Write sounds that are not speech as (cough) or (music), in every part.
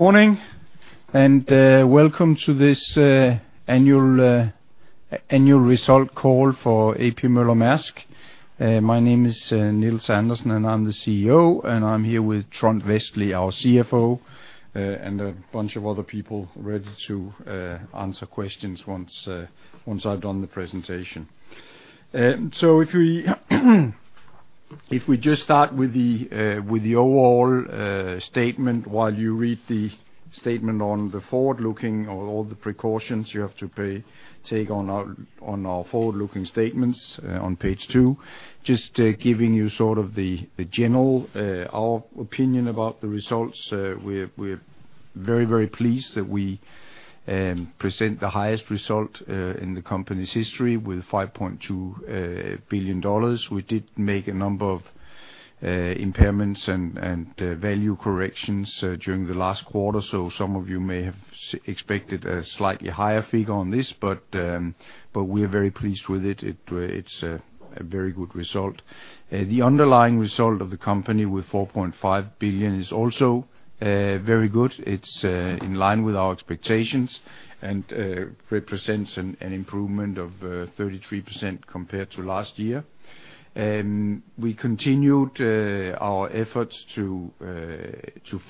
Morning, welcome to this annual results call for A.P. Møller - Mærsk. My name is Nils Smedegaard Andersen, and I'm the CEO, and I'm here with Trond Westlie, our CFO, and a bunch of other people ready to answer questions once I've done the presentation. If we just start with the overall statement while you read the statement on the forward-looking or all the precautions you have to take on our forward-looking statements on page two. Just giving you sort of our general opinion about the results. We're very pleased that we present the highest result in the company's history with $5.2 billion. We did make a number of impairments and value corrections during the last quarter, so some of you may have expected a slightly higher figure on this. We're very pleased with it. It's a very good result. The underlying result of the company with $4.5 billion is also very good. It's in line with our expectations, and represents an improvement of 33% compared to last year. We continued our efforts to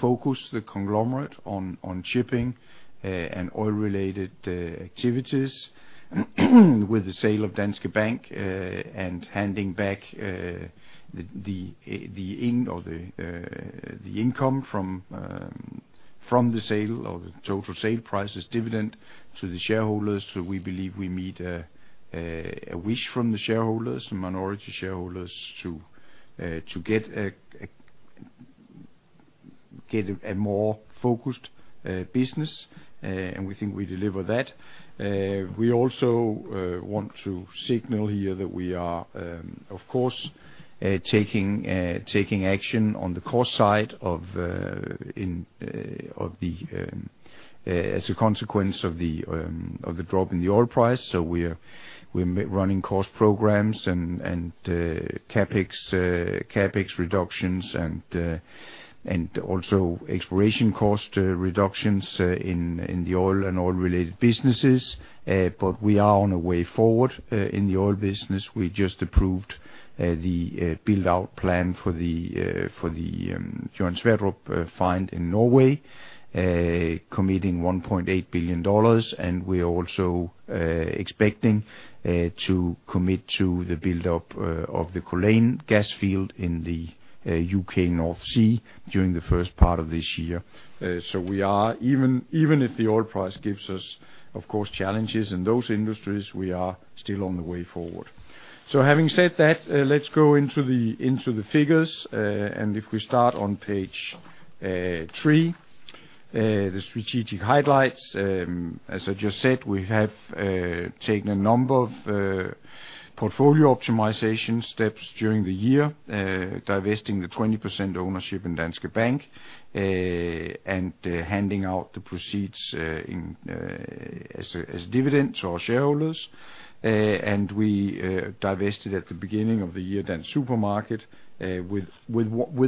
focus the conglomerate on shipping and oil-related activities. With the sale of Danske Bank and handing back the income from the sale or the total sale price as dividend to the shareholders, we believe we meet a wish from the shareholders, minority shareholders to get a more focused business. We think we deliver that. We also want to signal here that we are, of course, taking action on the cost side as a consequence of the drop in the oil price. We're running cost programs and CapEx reductions and also exploration cost reductions in the oil and oil-related businesses. We are on a way forward in the oil business. We just approved the build-out plan for the Johan Sverdrup field in Norway, committing $1.8 billion. We're also expecting to commit to the build-up of the Culzean gas field in the U.K. North Sea during the first part of this year. We are even if the oil price gives us, of course, challenges in those industries, still on the way forward. Having said that, let's go into the figures. If we start on page three, the strategic highlights. As I just said, we have taken a number of portfolio optimization steps during the year, divesting the 20% ownership in Danske Bank and handing out the proceeds as dividends to our shareholders. We divested at the beginning of the year, Dansk Supermarked with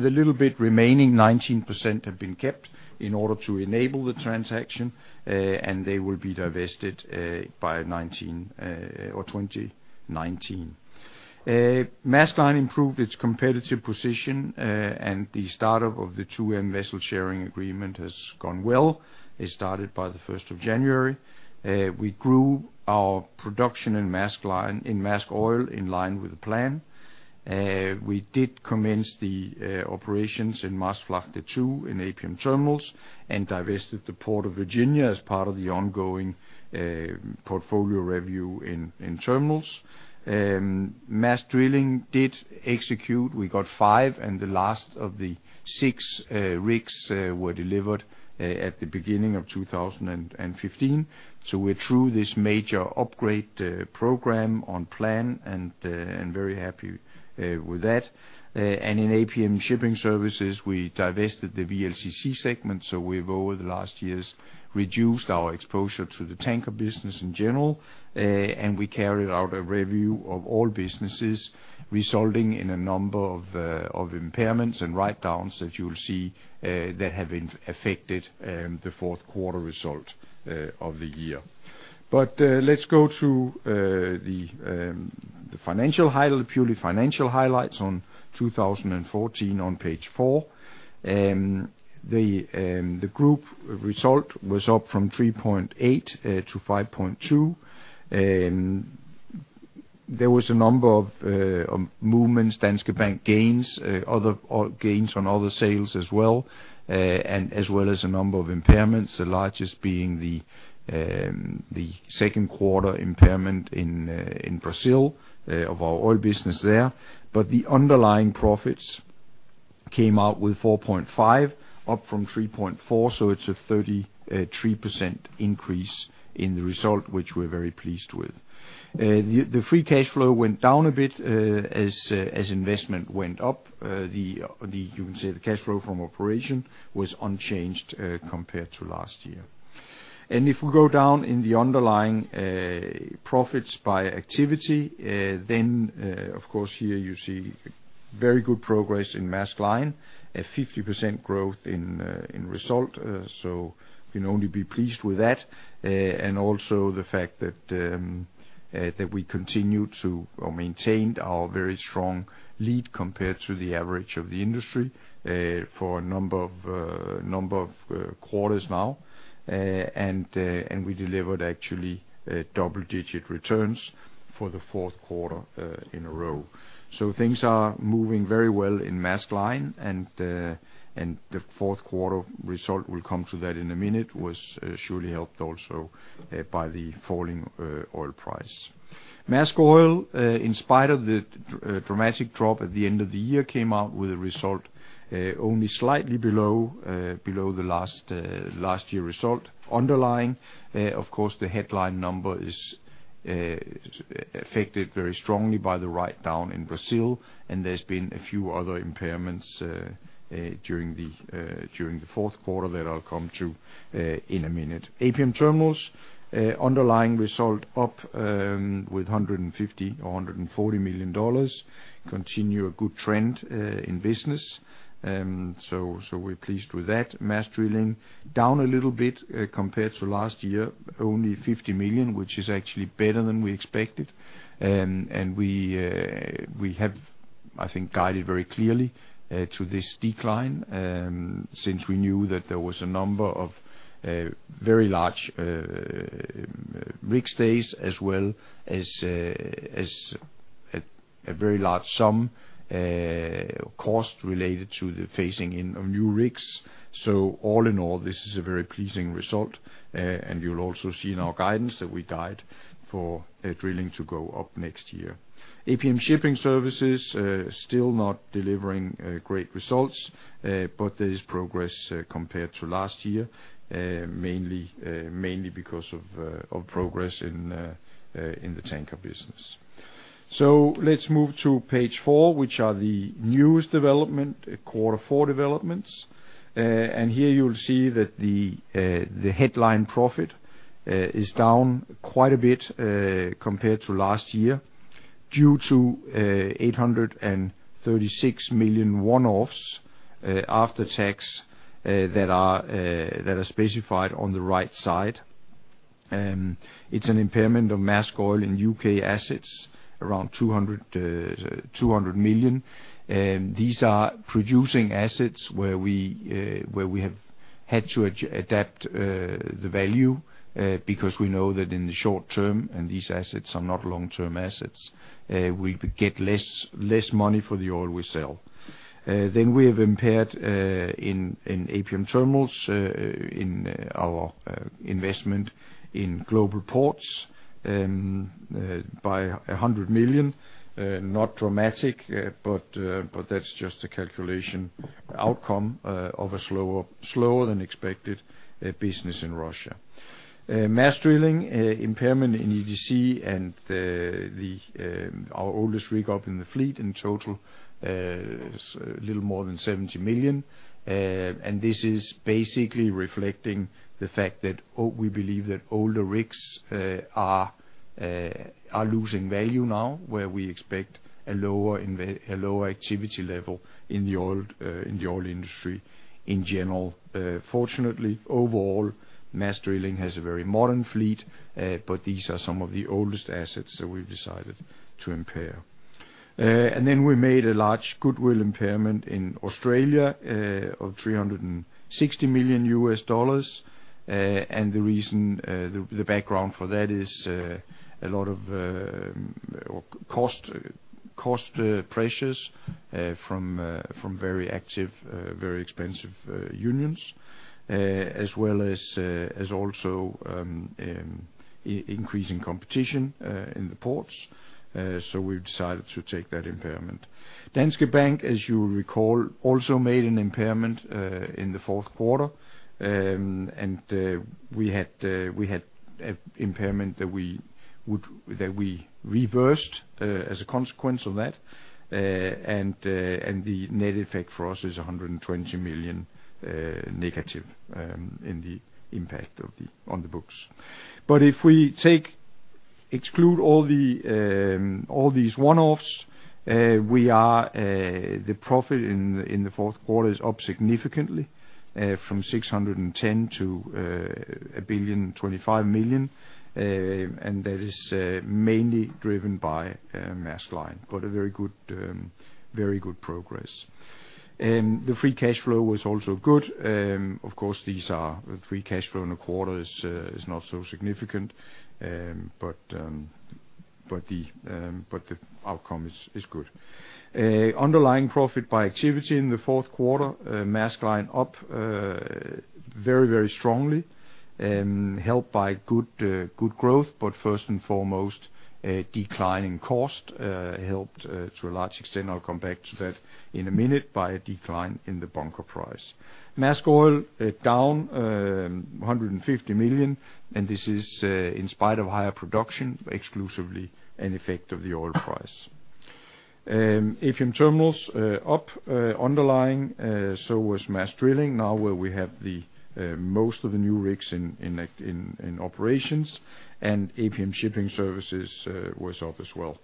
a little bit remaining. 19% have been kept in order to enable the transaction, and they will be divested by 2019. Maersk Line improved its competitive position, and the start-up of the 2M vessel sharing agreement has gone well. It started by the first of January. We grew our production in Maersk Line, in Maersk Oil in line with the plan. We did commence the operations in Maasvlakte II in APM Terminals and divested the Port of Virginia as part of the ongoing portfolio review in terminals. Maersk Drilling did execute. We got five, and the last of the six rigs were delivered at the beginning of 2015. We're through this major upgrade program on plan and very happy with that. In APM Shipping Services, we divested the VLCC segment, so we've over the last years reduced our exposure to the tanker business in general. We carried out a review of all businesses, resulting in a number of impairments and write-downs that you'll see that have affected the fourth quarter result of the year. Let's go to the purely financial highlights on 2014 on page four. The group result was up from $3.8 billion to $5.2 billion. There was a number of movements, Danske Bank gains, other gains on other sales as well, and as well as a number of impairments, the largest being the second quarter impairment in Brazil of our oil business there. The underlying profits came out with $4.5 billion, up from $3.4 billion, so it's a 33% increase in the result, which we're very pleased with. The free cash flow went down a bit, as investment went up. The cash flow from operations was unchanged compared to last year. If we go down in the underlying profits by activity, then, of course, here you see very good progress in Maersk Line, a 50% growth in result, so can only be pleased with that. Also the fact that we maintained our very strong lead compared to the average of the industry for a number of quarters now. We delivered actually double-digit returns for the fourth quarter in a row. Things are moving very well in Maersk Line, and the fourth quarter result, we'll come to that in a minute, was surely helped also by the falling oil price. Maersk Oil, in spite of the dramatic drop at the end of the year, came out with a result only slightly below the last year result underlying. Of course, the headline number is affected very strongly by the write-down in Brazil, and there's been a few other impairments during the fourth quarter that I'll come to in a minute. APM Terminals, underlying result up with $150 million or $140 million. Continue a good trend in business, so we're pleased with that. Maersk Drilling down a little bit compared to last year, only $50 million, which is actually better than we expected. We have, I think, guided very clearly to this decline, since we knew that there was a number of very large rig stays, as well as a very large sum cost related to the phasing in of new rigs. All in all, this is a very pleasing result, and you'll also see in our guidance that we guide for drilling to go up next year. APM Shipping Services still not delivering great results, but there is progress compared to last year, mainly because of progress in the tanker business. Let's move to page four, which are the newest developments, quarter four developments. Here you will see that the headline profit is down quite a bit, compared to last year due to $836 million one-offs after tax that are specified on the right side. It's an impairment of Maersk Oil in U.K. assets, around $200 million. These are producing assets where we have had to adapt the value, because we know that in the short term, and these assets are not long-term assets, we could get less money for the oil we sell. We have impaired in APM Terminals in our investment in Global Ports by $100 million. Not dramatic, but that's just a calculation outcome of a slower than expected business in Russia. Maersk Drilling impairment in EDC and our oldest rig up in the fleet in total is a little more than $70 million. This is basically reflecting the fact that we believe that older rigs are losing value now, where we expect a lower activity level in the oil industry in general. Fortunately, overall, Maersk Drilling has a very modern fleet, but these are some of the oldest assets that we've decided to impair. Then we made a large goodwill impairment in Australia of $360 million. The reason, the background for that is a lot of cost pressures from very active, very expensive unions, as well as also increasing competition in the ports. We've decided to take that impairment. Danske Bank, as you recall, also made an impairment in the fourth quarter. We had impairment that we reversed as a consequence of that. The net effect for us is $120 million negative impact on the books. If we exclude all these one-offs, the profit in the fourth quarter is up significantly from $610 million to $1,025 million. That is mainly driven by Maersk Line, but very good progress. The free cash flow was also good. Of course, free cash flow in the quarter is not so significant, but the outcome is good. Underlying profit by activity in the fourth quarter, Maersk Line up very, very strongly, helped by good growth. First and foremost, a decline in cost helped to a large extent, I'll come back to that in a minute, by a decline in the bunker price. Maersk Oil down $150 million, and this is in spite of higher production, exclusively an effect of the oil price. APM Terminals up underlying, so was Maersk Drilling now where we have the most of the new rigs in action in operations, and APM Shipping Services was up as well,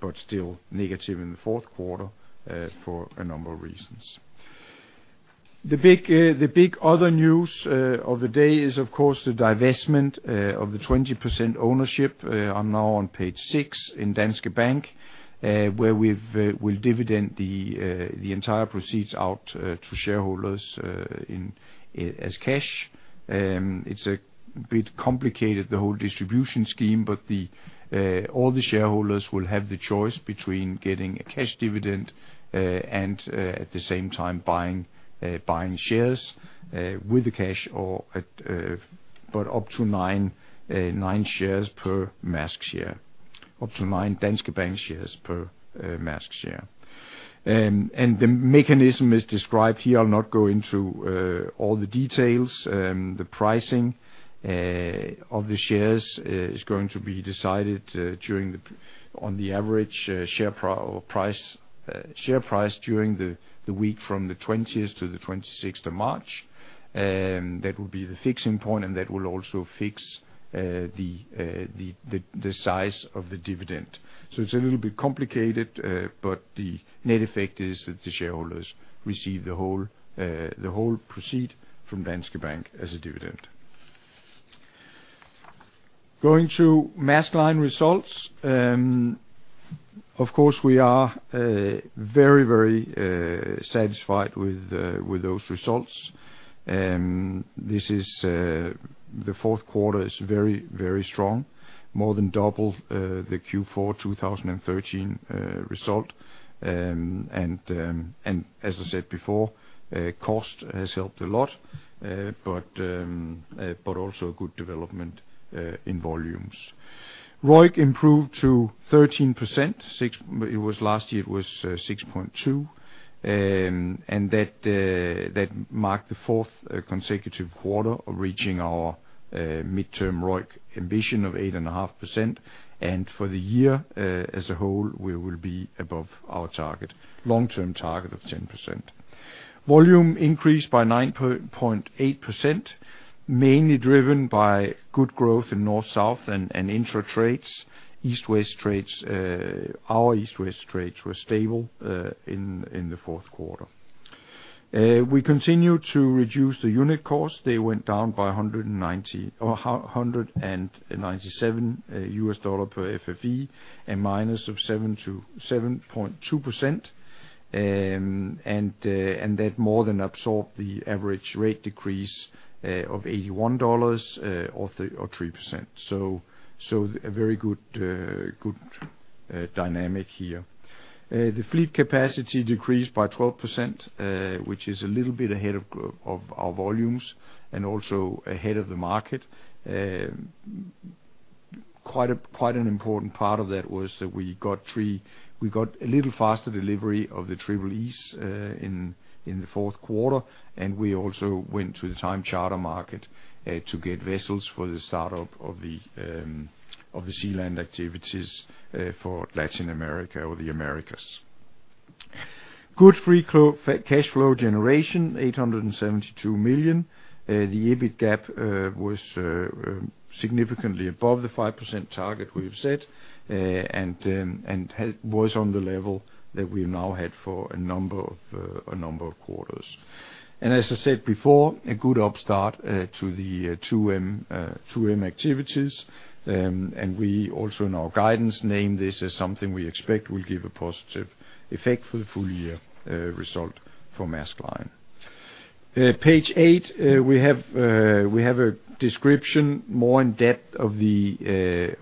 but still negative in the fourth quarter for a number of reasons. The big other news of the day is of course the divestment of the 20% ownership on page six in Danske Bank, where we'll dividend the entire proceeds out to shareholders in cash. It's a bit complicated, the whole distribution scheme, but all the shareholders will have the choice between getting a cash dividend and at the same time buying shares with the cash or but up to nine shares per Maersk share, up to nine Danske Bank shares per Maersk share. The mechanism is described here. I'll not go into all the details. The pricing of the shares is going to be decided on the average share price during the week from the 20th to the 26th of March. That will be the fixing point and that will also fix the size of the dividend. It's a little bit complicated, but the net effect is that the shareholders receive the whole proceeds from Danske Bank as a dividend. Going to Maersk Line results. Of course we are very satisfied with those results. The fourth quarter is very strong, more than double the Q4 2013 result. As I said before, cost has helped a lot, but also good development in volumes. ROIC improved to 13%, from 6%. It was last year 6.2%. That marked the fourth consecutive quarter of reaching our midterm ROIC ambition of 8.5%. For the year as a whole, we will be above our long-term target of 10%. Volume increased by 9.8%, mainly driven by good growth in north-south and intra-trades. Our east-west trades were stable in the fourth quarter. We continue to reduce the unit cost. They went down by $197 per FFE, and -7.2%. That more than absorbed the average rate decrease of $81, or 3%. A very good dynamic here. The fleet capacity decreased by 12%, which is a little bit ahead of our volumes, and also ahead of the market. Quite an important part of that was that we got a little faster delivery of the Triple-E's in the fourth quarter. We also went to the time charter market to get vessels for the startup of the SeaLand activities for Latin America or the Americas. Good free cash flow generation, $872 million. The EBIT gap was significantly above the 5% target we have set, and was on the level that we now had for a number of quarters. As I said before, a good start to the 2M activities. We also in our guidance named this as something we expect will give a positive effect for the full year result for Maersk Line. Page eight, we have a description more in depth of the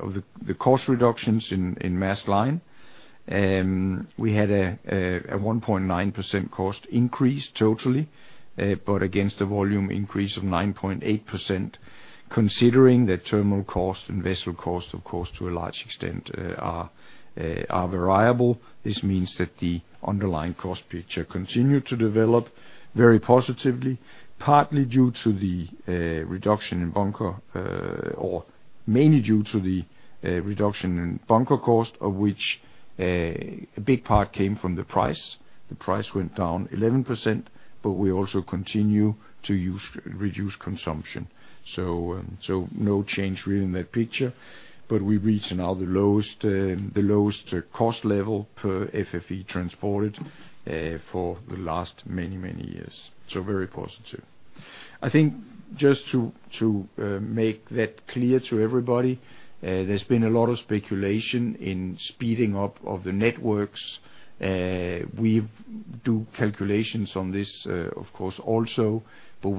cost reductions in Maersk Line. We had a 1.9% cost increase totally, but against the volume increase of 9.8%, considering that terminal cost and vessel cost of course to a large extent are variable. This means that the underlying cost picture continued to develop very positively, partly due to the reduction in bunker or mainly due to the reduction in bunker cost, of which a big part came from the price. The price went down 11%, but we also continue to use reduced consumption. No change really in that picture, but we reach now the lowest cost level per FFE transported for the last many years. Very positive. I think just to make that clear to everybody, there's been a lot of speculation in speeding up of the networks. We've done calculations on this, of course also, but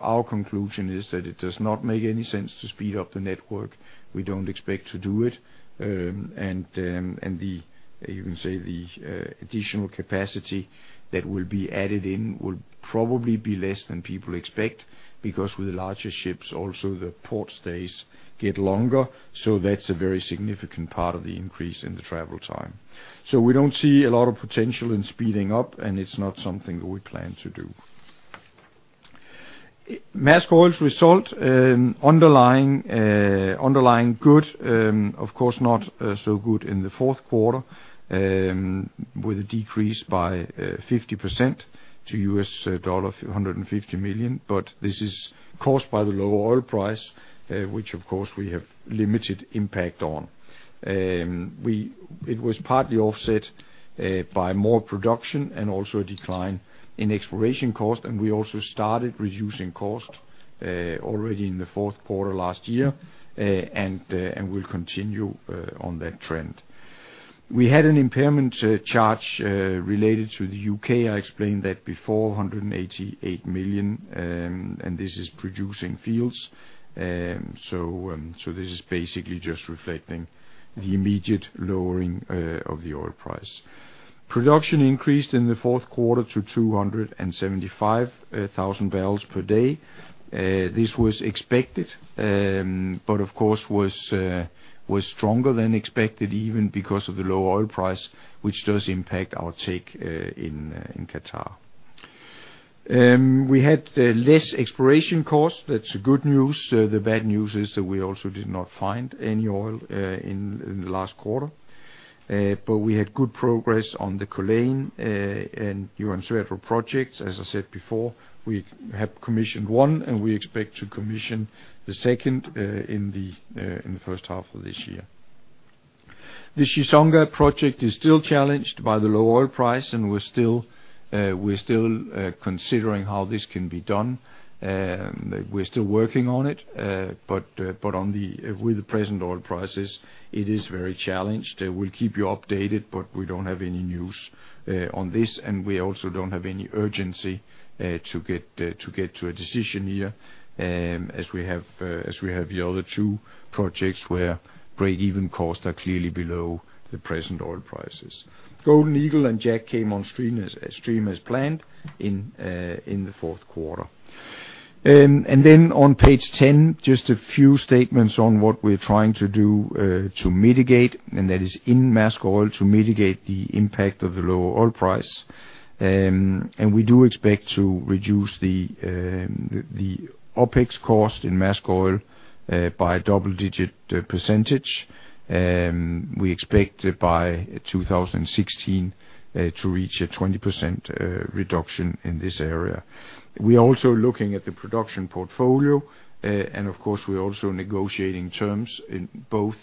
our conclusion is that it does not make any sense to speed up the network. We don't expect to do it. You can say the additional capacity that will be added in will probably be less than people expect, because with the larger ships also the port stays get longer. That's a very significant part of the increase in the travel time. We don't see a lot of potential in speeding up, and it's not something that we plan to do. Maersk Oil's result underlying good, of course not so good in the fourth quarter, with a decrease by 50% to $150 million. This is caused by the low oil price, which of course we have limited impact on. It was partly offset by more production and also a decline in exploration costs, and we also started reducing costs already in the fourth quarter last year. We'll continue on that trend. We had an impairment charge related to the U.K.. I explained that before, $188 million, and this is producing fields. This is basically just reflecting the immediate lowering of the oil price. Production increased in the fourth quarter to 275,000 barrels per day. This was expected, but of course was stronger than expected even because of the low oil price, which does impact our take in Qatar. We had less exploration costs. That's good news. The bad news is that we also did not find any oil in the last quarter. We had good progress on the Culzean and Johan Sverdrup projects. As I said before, we have commissioned one, and we expect to commission the second in the first half of this year. The Chissonga project is still challenged by the low oil price, and we're still considering how this can be done. We're still working on it. But with the present oil prices, it is very challenged. We'll keep you updated, but we don't have any news on this, and we also don't have any urgency to get to a decision here, as we have the other two projects where break-even costs are clearly below the present oil prices. Golden Eagle and Jackdaw came on stream as planned in the fourth quarter. On page 10, just a few statements on what we're trying to do to mitigate, and that is in Maersk Oil, to mitigate the impact of the lower oil price. We do expect to reduce the OpEx cost in Maersk Oil by a double-digit percentage. We expect by 2016 to reach a 20% reduction in this area. We're also looking at the production portfolio. Of course, we're also negotiating terms in both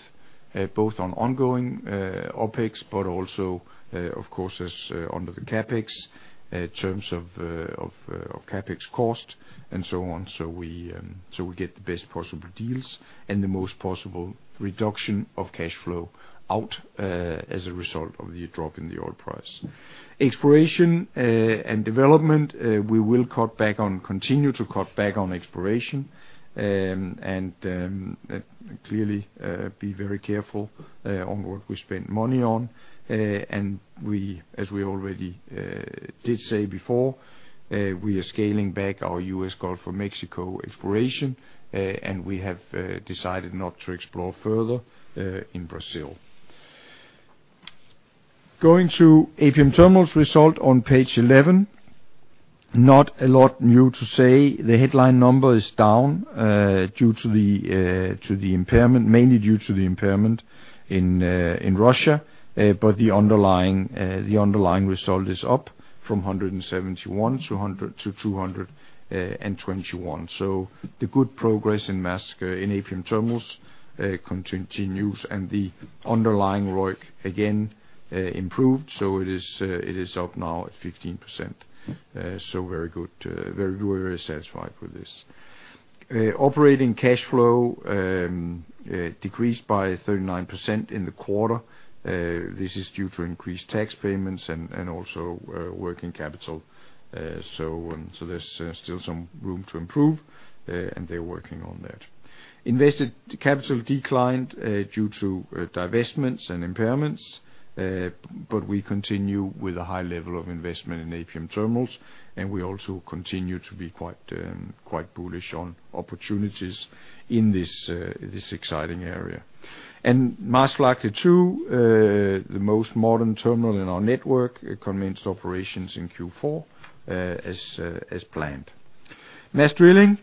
on ongoing OpEx, but also of course as under the CapEx terms of CapEx cost and so on. We get the best possible deals and the most possible reduction of cash flow out as a result of the drop in the oil price. Exploration and development, we will cut back on, continue to cut back on exploration. Clearly, be very careful on work we spend money on. We, as we already did say before, we are scaling back our U.S. Gulf of Mexico exploration, and we have decided not to explore further in Brazil. Going to APM Terminals results on page eleven. Not a lot new to say. The headline number is down due to the impairment, mainly due to the impairment in Russia. The underlying result is up from $171 million to $221 million. The good progress in Maersk, in APM Terminals, continues, and the underlying ROIC again improved, so it is up now at 15%. Very good. We're very satisfied with this. Operating cash flow decreased by 39% in the quarter. This is due to increased tax payments and also working capital. There's still some room to improve, and they're working on that. Invested capital declined due to divestments and impairments, but we continue with a high level of investment in APM Terminals, and we also continue to be quite bullish on opportunities in this exciting area. Maasvlakte II, the most modern terminal in our network, commenced operations in Q4, as planned. Maersk Drilling,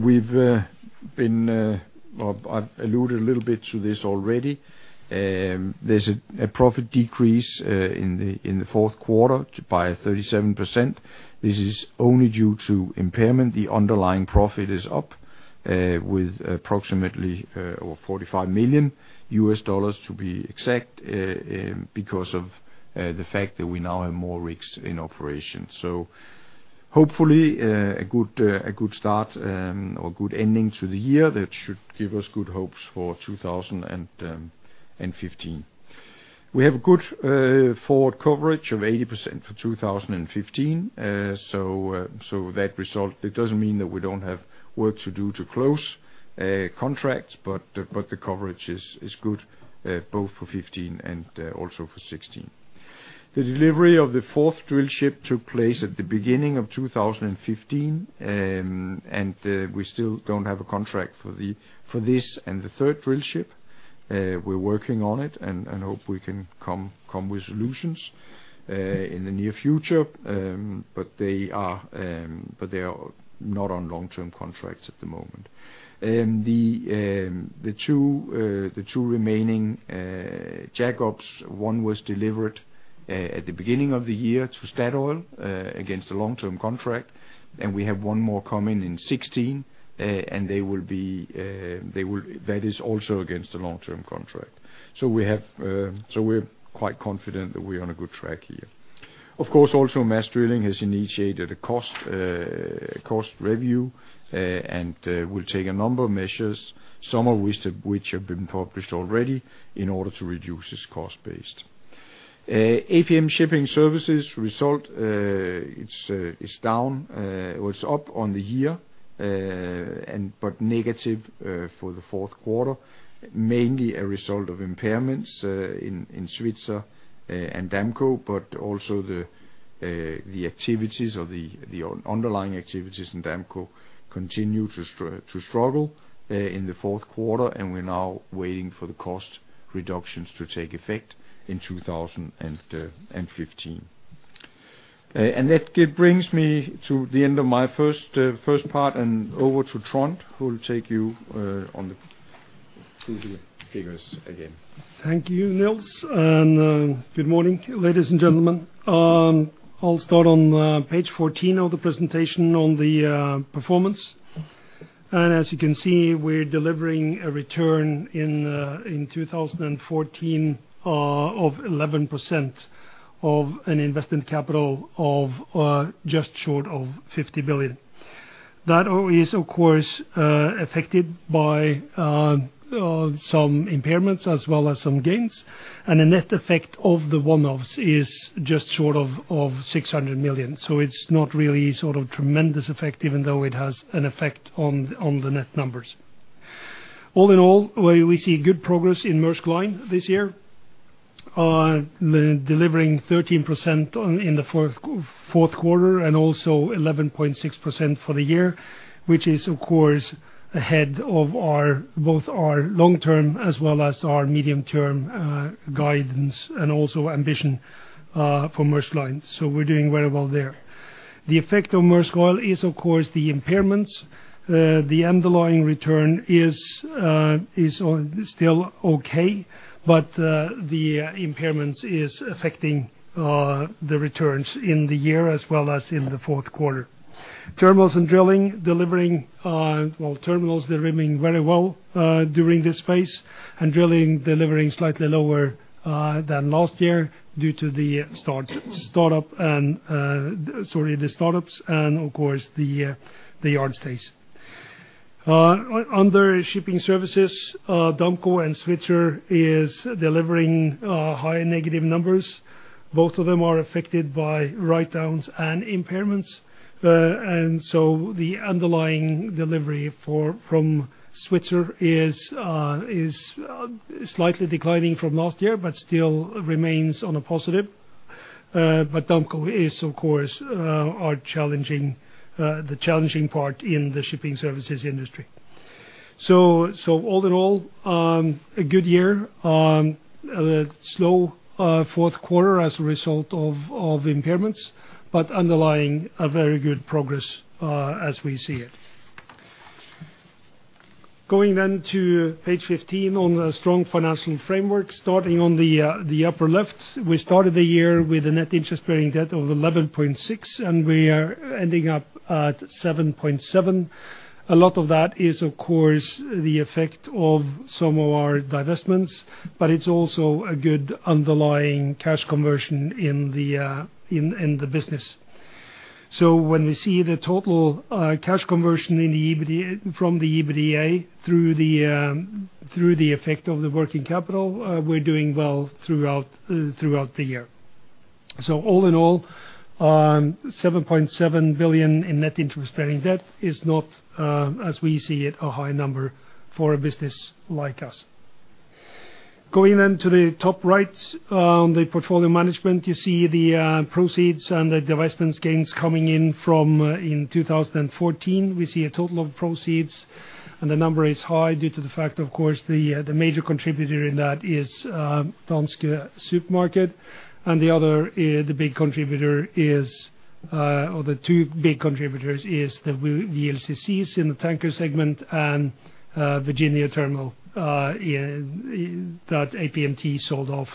we've been, well, I've alluded a little bit to this already. There's a profit decrease in the fourth quarter by 37%. This is only due to impairment. The underlying profit is up with approximately, or $45 million to be exact, because of the fact that we now have more rigs in operation. Hopefully, a good start or good ending to the year. That should give us good hopes for 2015. We have a good forward coverage of 80% for 2015. That result doesn't mean that we don't have work to do to close contracts, but the coverage is good both for 2015 and also for 2016. The delivery of the fourth drill ship took place at the beginning of 2015. We still don't have a contract for this and the third drill ship. We're working on it and hope we can come with solutions in the near future. They are not on long-term contracts at the moment. The two remaining jack-ups. One was delivered at the beginning of the year to Statoil against a long-term contract. We have one more coming in 2016, and they will be, that is also against a long-term contract. We're quite confident that we're on a good track here. Of course, Maersk Drilling has also initiated a cost review, and we'll take a number of measures, some of which have been published already, in order to reduce this cost base. APM Shipping Services results, it's up on the year but negative for the fourth quarter, mainly a result of impairments in Svitzer and Damco. Also the activities or the underlying activities in Damco continue to struggle in the fourth quarter, and we're now waiting for the cost reductions to take effect in 2015. That brings me to the end of my first part and over to Trond, who will take you through the figures again. Thank you, Nils. Good morning, ladies and gentlemen. I'll start on page 14 of the presentation on the performance. As you can see, we're delivering a return in 2014 of 11% on an investment capital of just short of $50 billion. That is, of course, affected by some impairments as well as some gains. The net effect of the one-offs is just short of $600 million. It's not really sort of tremendous effect, even though it has an effect on the net numbers. All in all, we see good progress in Maersk Line this year, delivering 13% in the fourth quarter and also 11.6% for the year, which is of course ahead of both our long-term as well as our medium-term guidance and also ambition for Maersk Line. We're doing very well there. The effect on Maersk Oil is of course the impairments. The underlying return is still okay, but the impairments is affecting the returns in the year as well as in the fourth quarter. Terminals and Drilling delivering well, terminals delivering very well during this phase, and drilling delivering slightly lower than last year due to the startups and of course the yard stays. Under Shipping Services, Damco and Svitzer is delivering high negative numbers. Both of them are affected by write-downs and impairments. The underlying delivery from Svitzer is slightly declining from last year, but still remains on a positive. Damco is of course the challenging part in the shipping services industry. All in all, a good year. A slow fourth quarter as a result of impairments, but underlying a very good progress as we see it. Going to page 15 on the strong financial framework. Starting on the upper left, we started the year with a net interest-bearing debt of $11.6, and we are ending up at $7.7. A lot of that is, of course, the effect of some of our divestments, but it's also a good underlying cash conversion in the business. When we see the total cash conversion in the EBITDA, from the EBITDA through the effect of the working capital, we're doing well throughout the year. All in all, $7.7 billion in net interest-bearing debt is not, as we see it, a high number for a business like us. Going to the top right, the portfolio management, you see the proceeds and the divestment gains coming in from 2014. We see a total of proceeds, and the number is high due to the fact, of course, the major contributor in that is Dansk Supermarked. The other big contributor is or the two big contributors is the VLCCs in the tanker segment and Virginia Terminal in that APMT sold off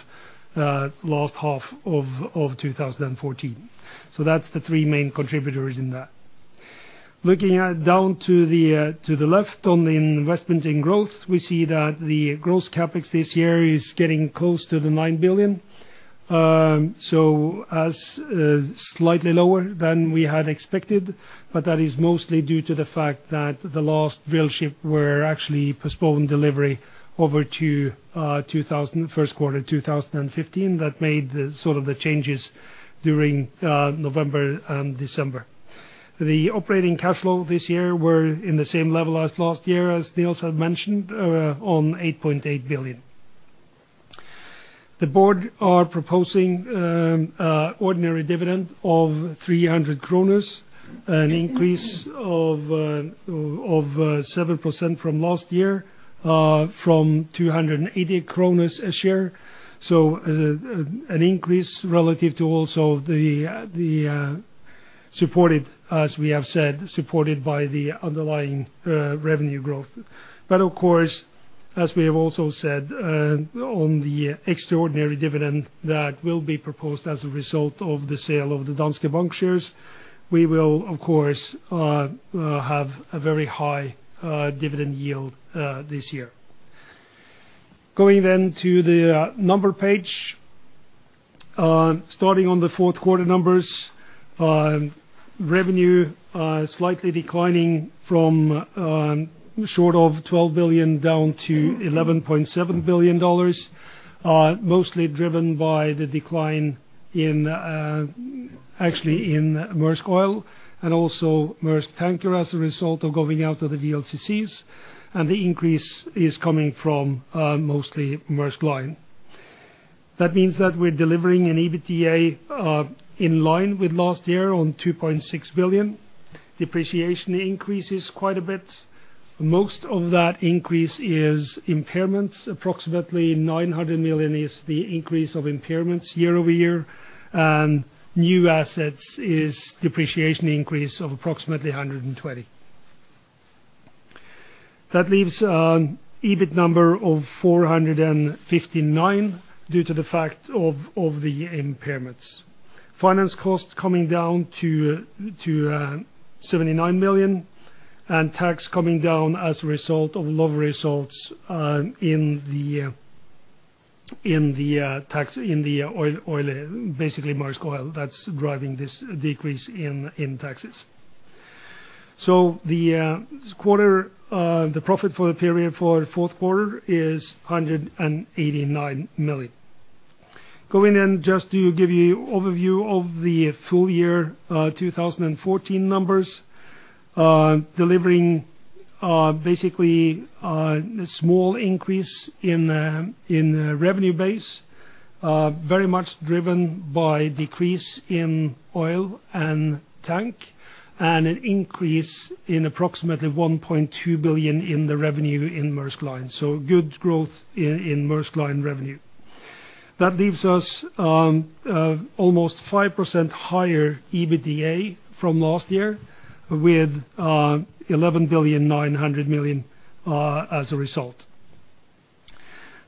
last half of 2014. That's the three main contributors in that. Looking down to the left on the investment in growth, we see that the growth CapEx this year is getting close to the $9 billion. It's slightly lower than we had expected, but that is mostly due to the fact that the last drill ship were actually postponed delivery over to first quarter 2015. That made the sort of changes during November and December. The operating cash flow this year were in the same level as last year, as Nils had mentioned, on $8.8 billion. The board are proposing an ordinary dividend of 300 kroner, an increase of 7% from last year, from 280 kroner a share. As an increase relative to also the supported, as we have said, supported by the underlying revenue growth. But of course, as we have also said, on the extraordinary dividend that will be proposed as a result of the sale of the Danske Bank shares, we will, of course, have a very high dividend yield this year. Going to the number page, starting on the fourth quarter numbers. Revenue slightly declining from short of $12 billion down to $11.7 billion, mostly driven by the decline, actually, in Maersk Oil and also Maersk Tankers as a result of going out of the VLCCs. The increase is coming from mostly Maersk Line. That means that we're delivering an EBITDA in line with last year on $2.6 billion. Depreciation increases quite a bit. Most of that increase is impairments. Approximately $900 million is the increase of impairments year-over-year. New assets is depreciation increase of approximately $120 million. That leaves an EBIT number of $459 million due to the fact of the impairments. Finance costs coming down to $79 million, and tax coming down as a result of lower results in the oil, basically Maersk Oil. That's driving this decrease in taxes. This quarter, the profit for the period for fourth quarter is $189 million. Going in just to give you overview of the full year 2014 numbers. Delivering basically a small increase in the revenue base, very much driven by decrease in oil and tanker, and an increase in approximately $1.2 billion in the revenue in Maersk Line. Good growth in Maersk Line revenue. That leaves us almost 5% higher EBITDA from last year, with $11.9 billion as a result.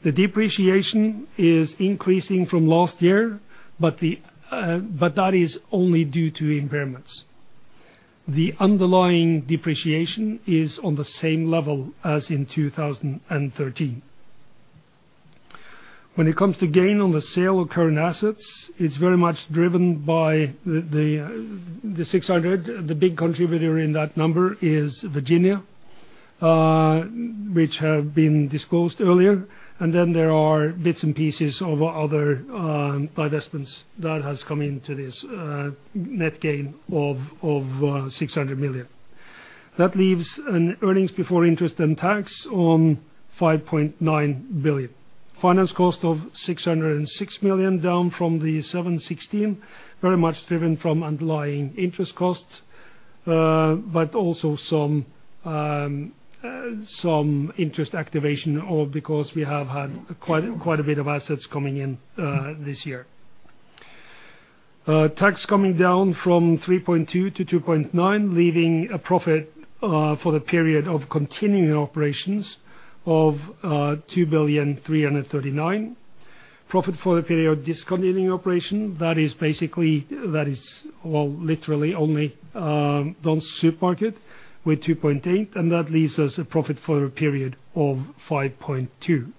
The depreciation is increasing from last year, but that is only due to impairments. The underlying depreciation is on the same level as in 2013. When it comes to gain on the sale of current assets, it's very much driven by the $600. The big contributor in that number is Virginia, which have been disclosed earlier. There are bits and pieces of other divestments that has come into this net gain of $600 million. That leaves an earnings before interest and tax on $5.9 billion. Finance cost of $606 million, down from the $716 million, very much driven from underlying interest costs, but also some interest capitalization because we have had quite a bit of assets coming in this year. Tax coming down from 3.2% to 2.9%, leaving a profit for the period of continuing operations of $2.339 billion. Profit for the period of discontinued operations, that is basically literally only Dansk Supermarked with $2.8 billion, and that leaves us a profit for the period of $5.2 billion.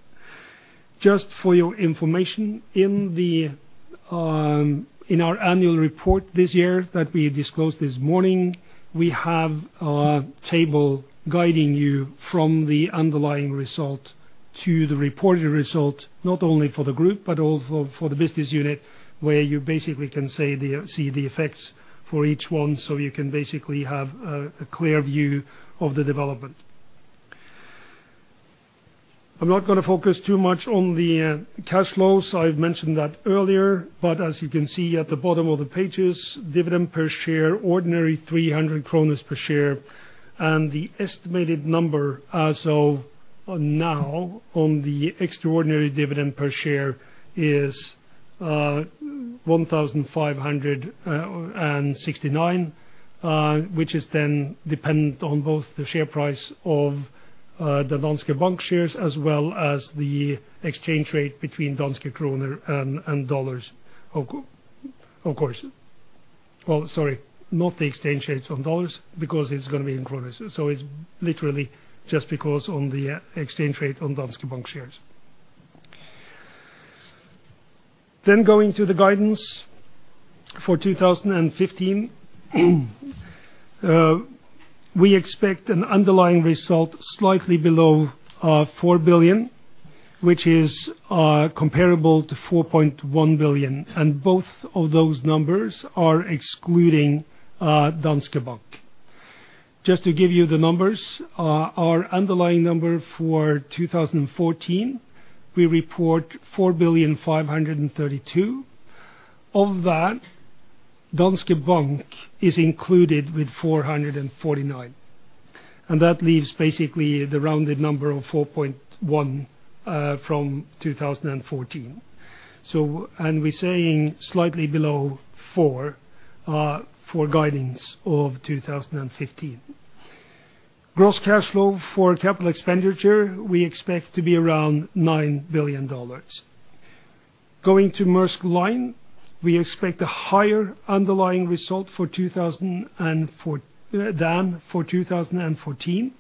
Just for your information, in our annual report this year that we disclosed this morning, we have a table guiding you from the underlying result to the reported result, not only for the group, but also for the business unit, where you basically can see the effects for each one, so you can basically have a clear view of the development. I'm not gonna focus too much on the cash flows. I've mentioned that earlier, but as you can see at the bottom of the pages, dividend per share, ordinary 300 kroner per share. The estimated number as of now on the extraordinary dividend per share is 1,569, which is then dependent on both the share price of the Danske Bank shares, as well as the exchange rate between Danske kroner and dollars, of course. Sorry, not the exchange rates on dollars because it's gonna be in kroners. It's literally just because on the exchange rate on Danske Bank shares. Going to the guidance for 2015. We expect an underlying result slightly below $4 billion, which is comparable to $4.1 billion. Both of those numbers are excluding Danske Bank. Just to give you the numbers, our underlying number for 2014, we report $4.532 billion. Of that, Danske Bank is included with $449 million, and that leaves basically the rounded number of $4.1 billion from 2014. We're saying slightly below $4 billion for guidance of 2015. Gross cash flow for capital expenditure, we expect to be around $9 billion. Going to Maersk Line, we expect a higher underlying result for 2015 than for 2014.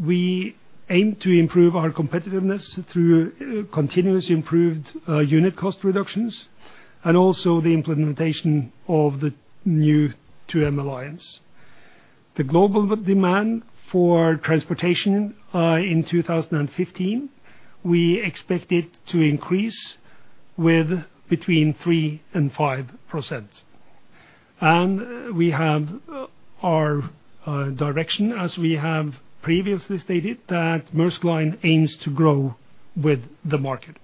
We aim to improve our competitiveness through continuously improved unit cost reductions and also the implementation of the new 2M Alliance. The global demand for transportation in 2015, we expect it to increase with between 3%-5%. We have our direction, as we have previously stated, that Maersk Line aims to grow with the market.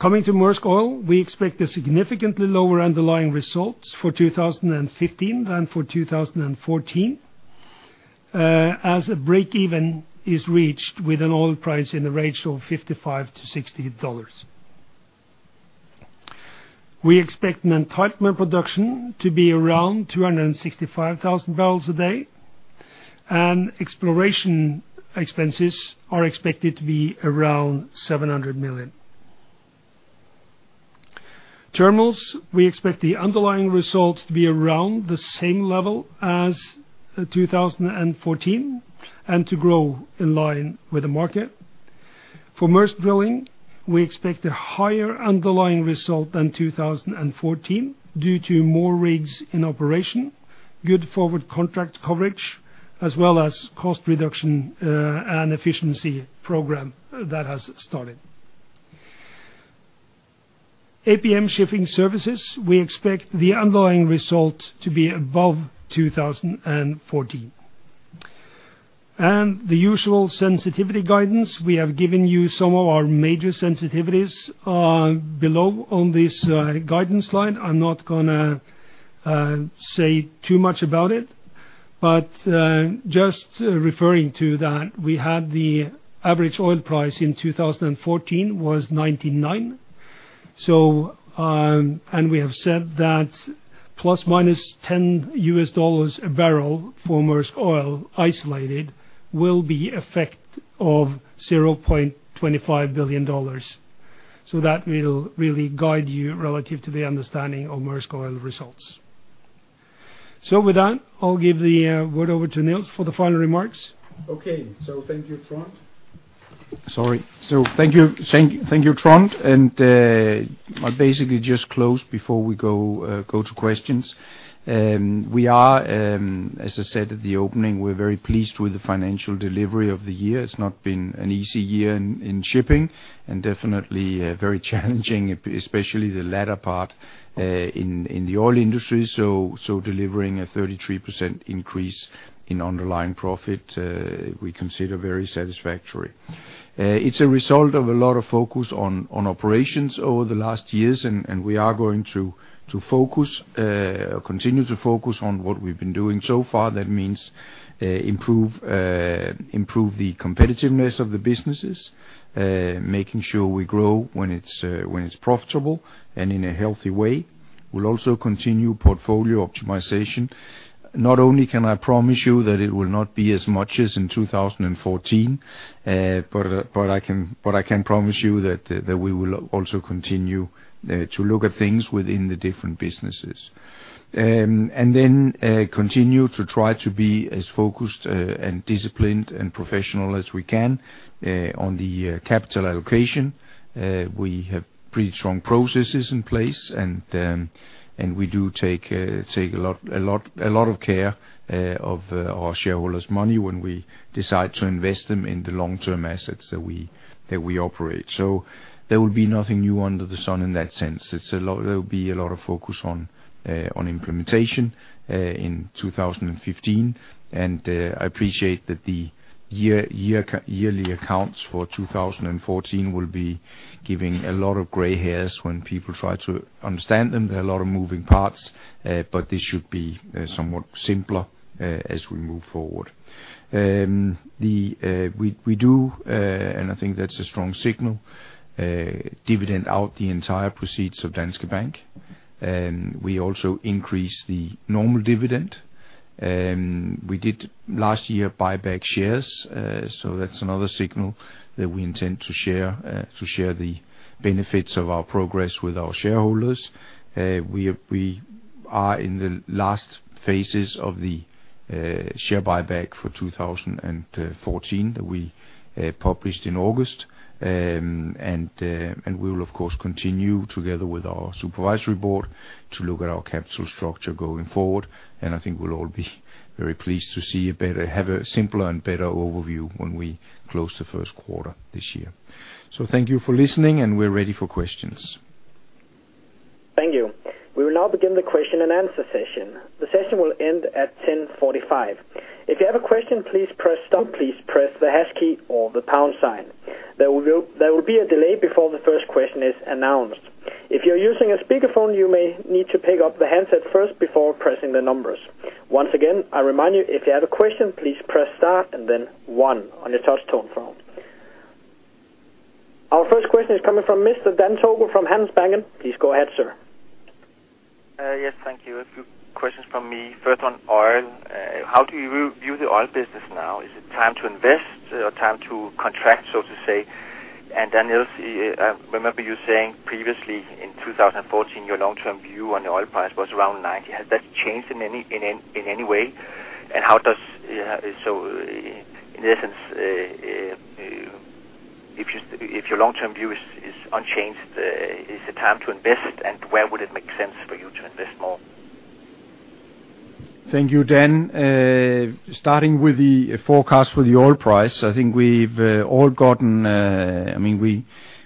Coming to Maersk Oil, we expect a significantly lower underlying result for 2015 than for 2014, as breakeven is reached with an oil price in the range of $55-$60. We expect an entitlement production to be around 265,000 barrels a day, and exploration expenses are expected to be around $700 million. Terminals, we expect the underlying results to be around the same level as 2014 and to grow in line with the market. For Maersk Drilling, we expect a higher underlying result than 2014 due to more rigs in operation, good forward contract coverage, as well as cost reduction and efficiency program that has started. APM Shipping Services, we expect the underlying result to be above 2014. The usual sensitivity guidance, we have given you some of our major sensitivities below on this guidance slide. I'm not gonna say too much about it, but just referring to that, we had the average oil price in 2014 was $99. We have said that +- $10 a barrel for Maersk Oil isolated will be effect of $0.25 billion. That will really guide you relative to the understanding of Maersk Oil results. With that, I'll give the word over to Nils for the final remarks. Okay. Thank you, Trond. Thank you, Trond. I'll basically just close before we go to questions. We are, as I said at the opening, very pleased with the financial delivery of the year. It's not been an easy year in shipping and definitely very challenging, especially the latter part in the oil industry. Delivering a 33% increase in underlying profit, we consider very satisfactory. It's a result of a lot of focus on operations over the last years, and we are going to continue to focus on what we've been doing so far. That means improve the competitiveness of the businesses, making sure we grow when it's profitable and in a healthy way. We'll also continue portfolio optimization. Not only can I promise you that it will not be as much as in 2014, but I can promise you that we will also continue to look at things within the different businesses. Continue to try to be as focused and disciplined and professional as we can on the capital allocation. We have pretty strong processes in place, and we do take a lot of care of our shareholders' money when we decide to invest them in the long-term assets that we operate. There will be nothing new under the sun in that sense. It's a lot, there'll be a lot of focus on implementation in 2015. I appreciate that the yearly accounts for 2014 will be giving a lot of gray hairs when people try to understand them. There are a lot of moving parts, but this should be somewhat simpler as we move forward. We do, and I think that's a strong signal, dividend out the entire proceeds of Danske Bank, and we also increase the normal dividend. We did last year buy back shares, so that's another signal that we intend to share the benefits of our progress with our shareholders. We are in the last phases of the share buyback for 2014 that we published in August. We will of course continue together with our supervisory board to look at our capital structure going forward. I think we'll all be very pleased to have a simpler and better overview when we close the first quarter this year. Thank you for listening, and we're ready for questions. Thank you. We will now begin the question-and-answer session. The session will end at 10:45. If you have a question, please press star. Please press the hash key or the pound sign. There will be a delay before the first question is announced. If you're using a speakerphone, you may need to pick up the handset first before pressing the numbers. Once again, I remind you, if you have a question, please press star and then one on your touch tone phone. Our first question is coming from Mr. Dan Togo from Handelsbanken. Please go ahead, sir. Yes, thank you. A few questions from me. First on oil. How do you review the oil business now? Is it time to invest or time to contract, so to say? Then also, I remember you saying previously in 2014, your long-term view on the oil price was around $90. Has that changed in any way? So in essence, if your long-term view is unchanged, is the time to invest, and where would it make sense for you to invest more? Thank you, Dan. Starting with the forecast for the oil price, I think we've all gotten, I mean,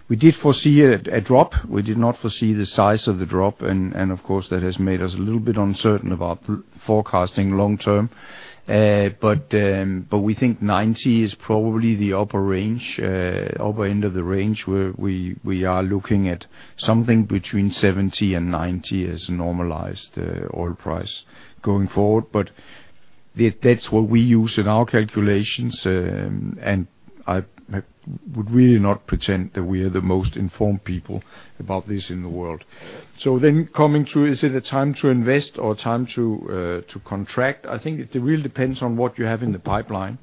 we did foresee a drop. We did not foresee the size of the drop. Of course, that has made us a little bit uncertain about forecasting long-term. We think $90 is probably the upper range, upper end of the range, where we are looking at something between $70-$90 as a normalized oil price going forward. That's what we use in our calculations, and I would really not pretend that we are the most informed people about this in the world. Coming through, is it a time to invest or time to contract? I think it really depends on what you have in the pipeline.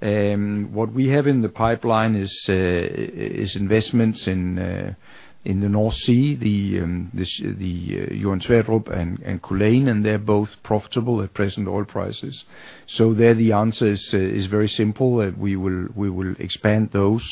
What we have in the pipeline is investments in the North Sea, the Johan Sverdrup and Culzean, and they're both profitable at present oil prices. The answer is very simple, that we will expand those.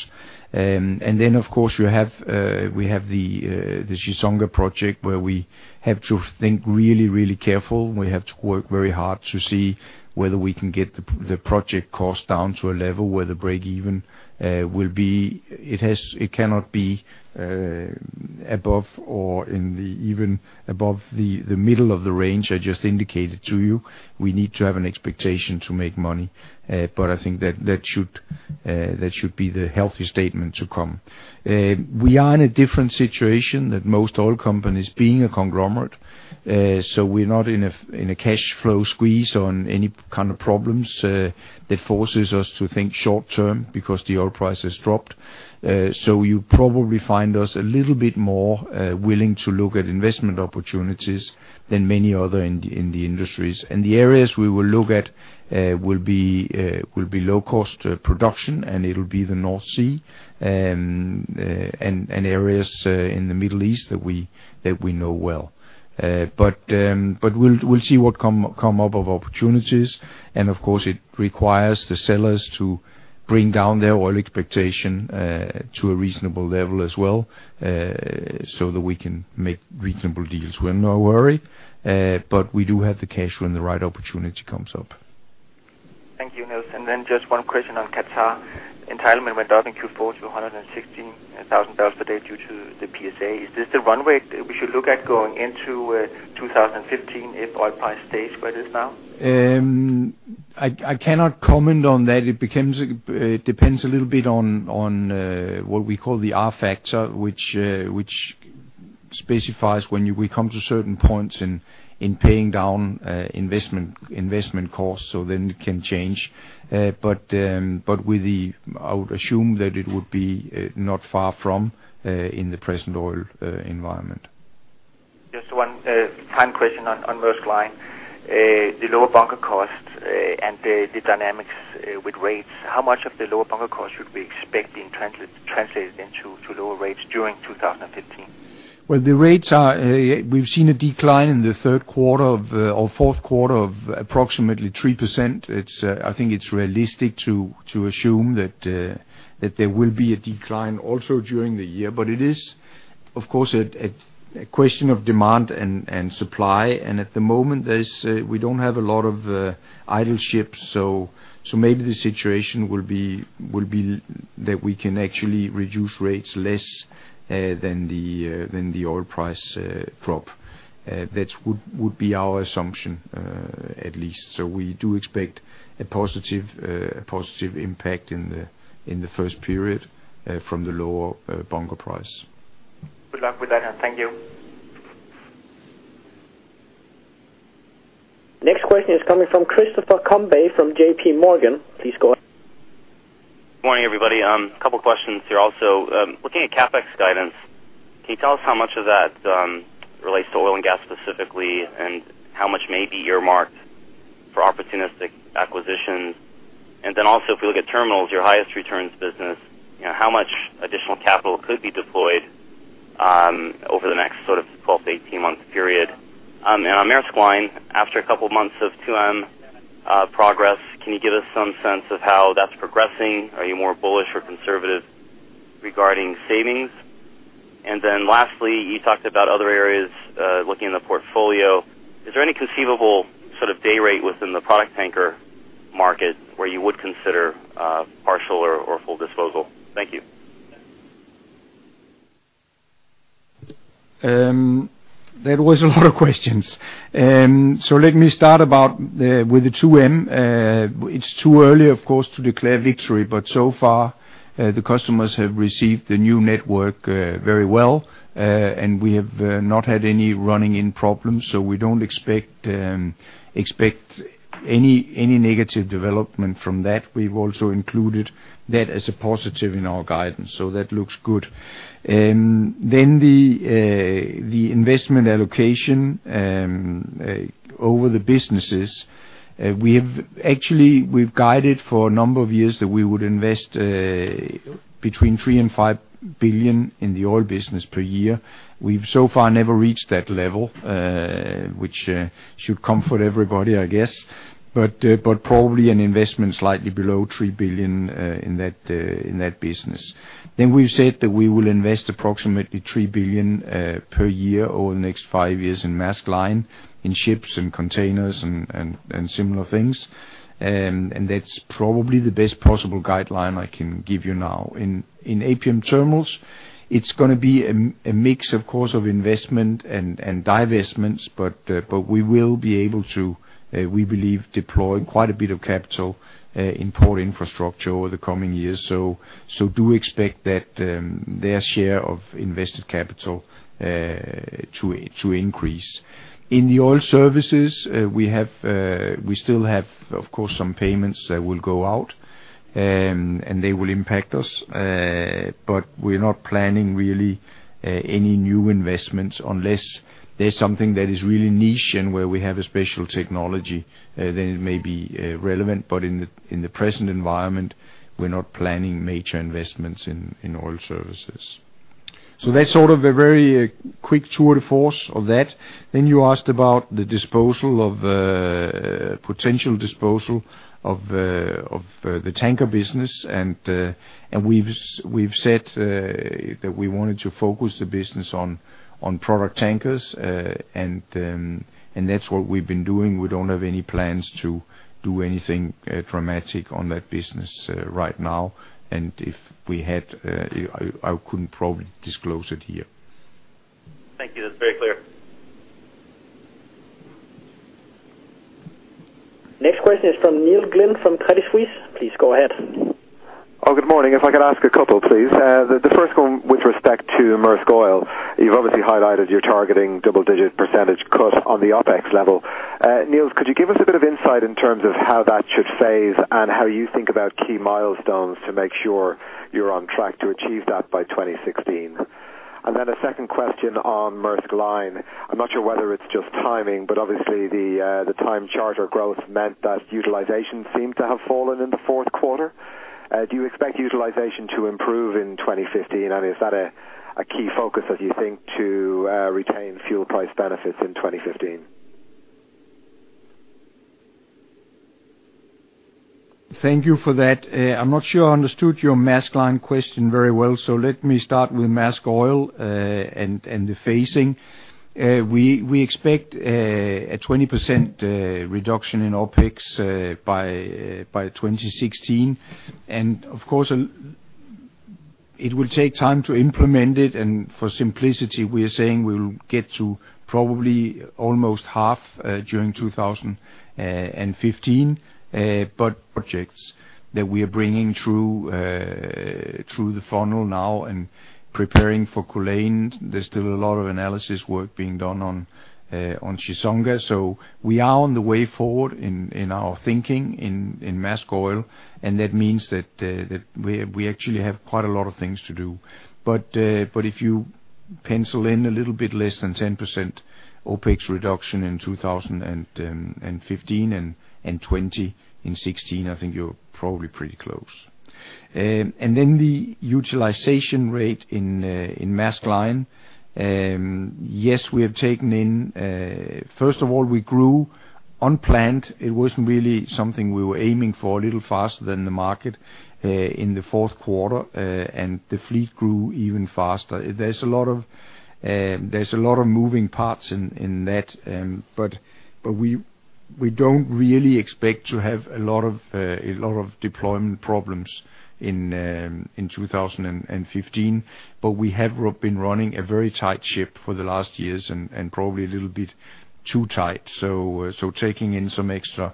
Of course, we have the Chissonga project where we have to think really careful. We have to work very hard to see whether we can get the project cost down to a level where the breakeven will be. It cannot be above or even above the middle of the range I just indicated to you. We need to have an expectation to make money. I think that should be the healthy statement to come. We are in a different situation than most oil companies being a conglomerate, so we're not in a cash flow squeeze or any kind of problems that forces us to think short-term because the oil price has dropped. You probably find us a little bit more willing to look at investment opportunities than many others in the industry. The areas we will look at will be low-cost production, and it'll be the North Sea and areas in the Middle East that we know well. We'll see what comes up of opportunities. Of course, it requires the sellers to bring down their price expectations to a reasonable level as well, so that we can make reasonable deals. We have no worry, but we do have the cash when the right opportunity comes up. Thank you, Nils. Just one question on Qatar. Entitlement went up in Q4 to $116,000 per day due to the PSA. Is this the run rate we should look at going into 2015 if oil price stays where it is now? I cannot comment on that. It becomes, it depends a little bit on what we call the R-factor, which specifies when you will come to certain points in paying down investment costs, so then it can change. But with the, I would assume that it would be not far from in the present oil environment. Just one time question on Maersk Line. The lower bunker costs and the dynamics with rates. How much of the lower bunker costs should we expect being translated into lower rates during 2015? Well, the rates are. We've seen a decline in the third quarter or fourth quarter of approximately 3%. I think it's realistic to assume that there will be a decline also during the year. It is, of course, a question of demand and supply. At the moment, we don't have a lot of idle ships, so maybe the situation will be that we can actually reduce rates less than the oil price drop. That would be our assumption, at least. We do expect a positive impact in the first period from the lower bunker price. Good luck with that, and thank you. Next question is coming from Christopher Combé from J.P. Morgan. Please go ahead. Good morning, everybody. A couple questions here also. Looking at CapEx guidance, can you tell us how much of that relates to oil and gas specifically, and how much may be earmarked for opportunistic acquisitions? If we look at terminals, your highest returns business, you know, how much additional capital could be deployed over the next sort of 12 month-18 month period? On Maersk Line, after a couple months of 2M progress, can you give us some sense of how that's progressing? Are you more bullish or conservative regarding savings? Lastly, you talked about other areas looking in the portfolio. Is there any conceivable sort of day rate within the product tanker market where you would consider partial or full disposal? Thank you. That was a lot of questions. Let me start with the 2M. It's too early, of course, to declare victory, but so far, the customers have received the new network very well. We have not had any run-in problems, so we don't expect any negative development from that. We've also included that as a positive in our guidance, so that looks good. The investment allocation over the businesses, we've actually guided for a number of years that we would invest between $3 billion and $5 billion in the oil business per year. We've so far never reached that level, which should comfort everybody, I guess. But probably an investment slightly below $3 billion in that business. We've said that we will invest approximately $3 billion per year over the next five years in Maersk Line, in ships and containers and similar things. That's probably the best possible guideline I can give you now. In APM Terminals, it's gonna be a mix, of course, of investment and divestments, but we will be able to, we believe, deploy quite a bit of capital in port infrastructure over the coming years. Do expect that their share of invested capital to increase. In the oil services, we still have, of course, some payments that will go out, and they will impact us. We're not planning really any new investments unless there's something that is really niche and where we have a special technology, then it may be relevant. In the present environment, we're not planning major investments in oil services. That's sort of a very quick tour de force of that. You asked about the potential disposal of the tanker business, and we've said that we wanted to focus the business on product tankers. That's what we've been doing. We don't have any plans to do anything dramatic on that business right now. If we had, I couldn't probably disclose it here. Thank you. That's very clear. Next question is from Neil Glynn from Credit Suisse. Please go ahead. Oh, good morning. If I could ask a couple, please. The first one with respect to Maersk Oil. You've obviously highlighted you're targeting double-digit percentage cut on the OpEx level. Nils, could you give us a bit of insight in terms of how that should phase and how you think about key milestones to make sure you're on track to achieve that by 2016? A second question on Maersk Line. I'm not sure whether it's just timing, but obviously the time charter growth meant that utilization seemed to have fallen in the fourth quarter. Do you expect utilization to improve in 2015? Is that a key focus, as you think, to retain fuel price benefits in 2015? Thank you for that. I'm not sure I understood your Maersk Line question very well, so let me start with Maersk Oil, and the phasing. We expect a 20% reduction in OpEx by 2016. Of course, it will take time to implement it. For simplicity, we are saying we will get to probably almost half during 2015. Projects that we are bringing through the funnel now and preparing for Culzean, there's still a lot of analysis work being done on Chissonga. We are on the way forward in our thinking in Maersk Oil, and that means that we actually have quite a lot of things to do. If you pencil in a little bit less than 10% OpEx reduction in 2015 and 2016, I think you're probably pretty close. Then the utilization rate in Maersk Line, yes, we have taken in first of all, we grew unplanned. It wasn't really something we were aiming for, a little faster than the market in the fourth quarter. The fleet grew even faster. There's a lot of moving parts in that, but we don't really expect to have a lot of deployment problems in 2015. We have been running a very tight ship for the last years and probably a little bit too tight. Taking in some extra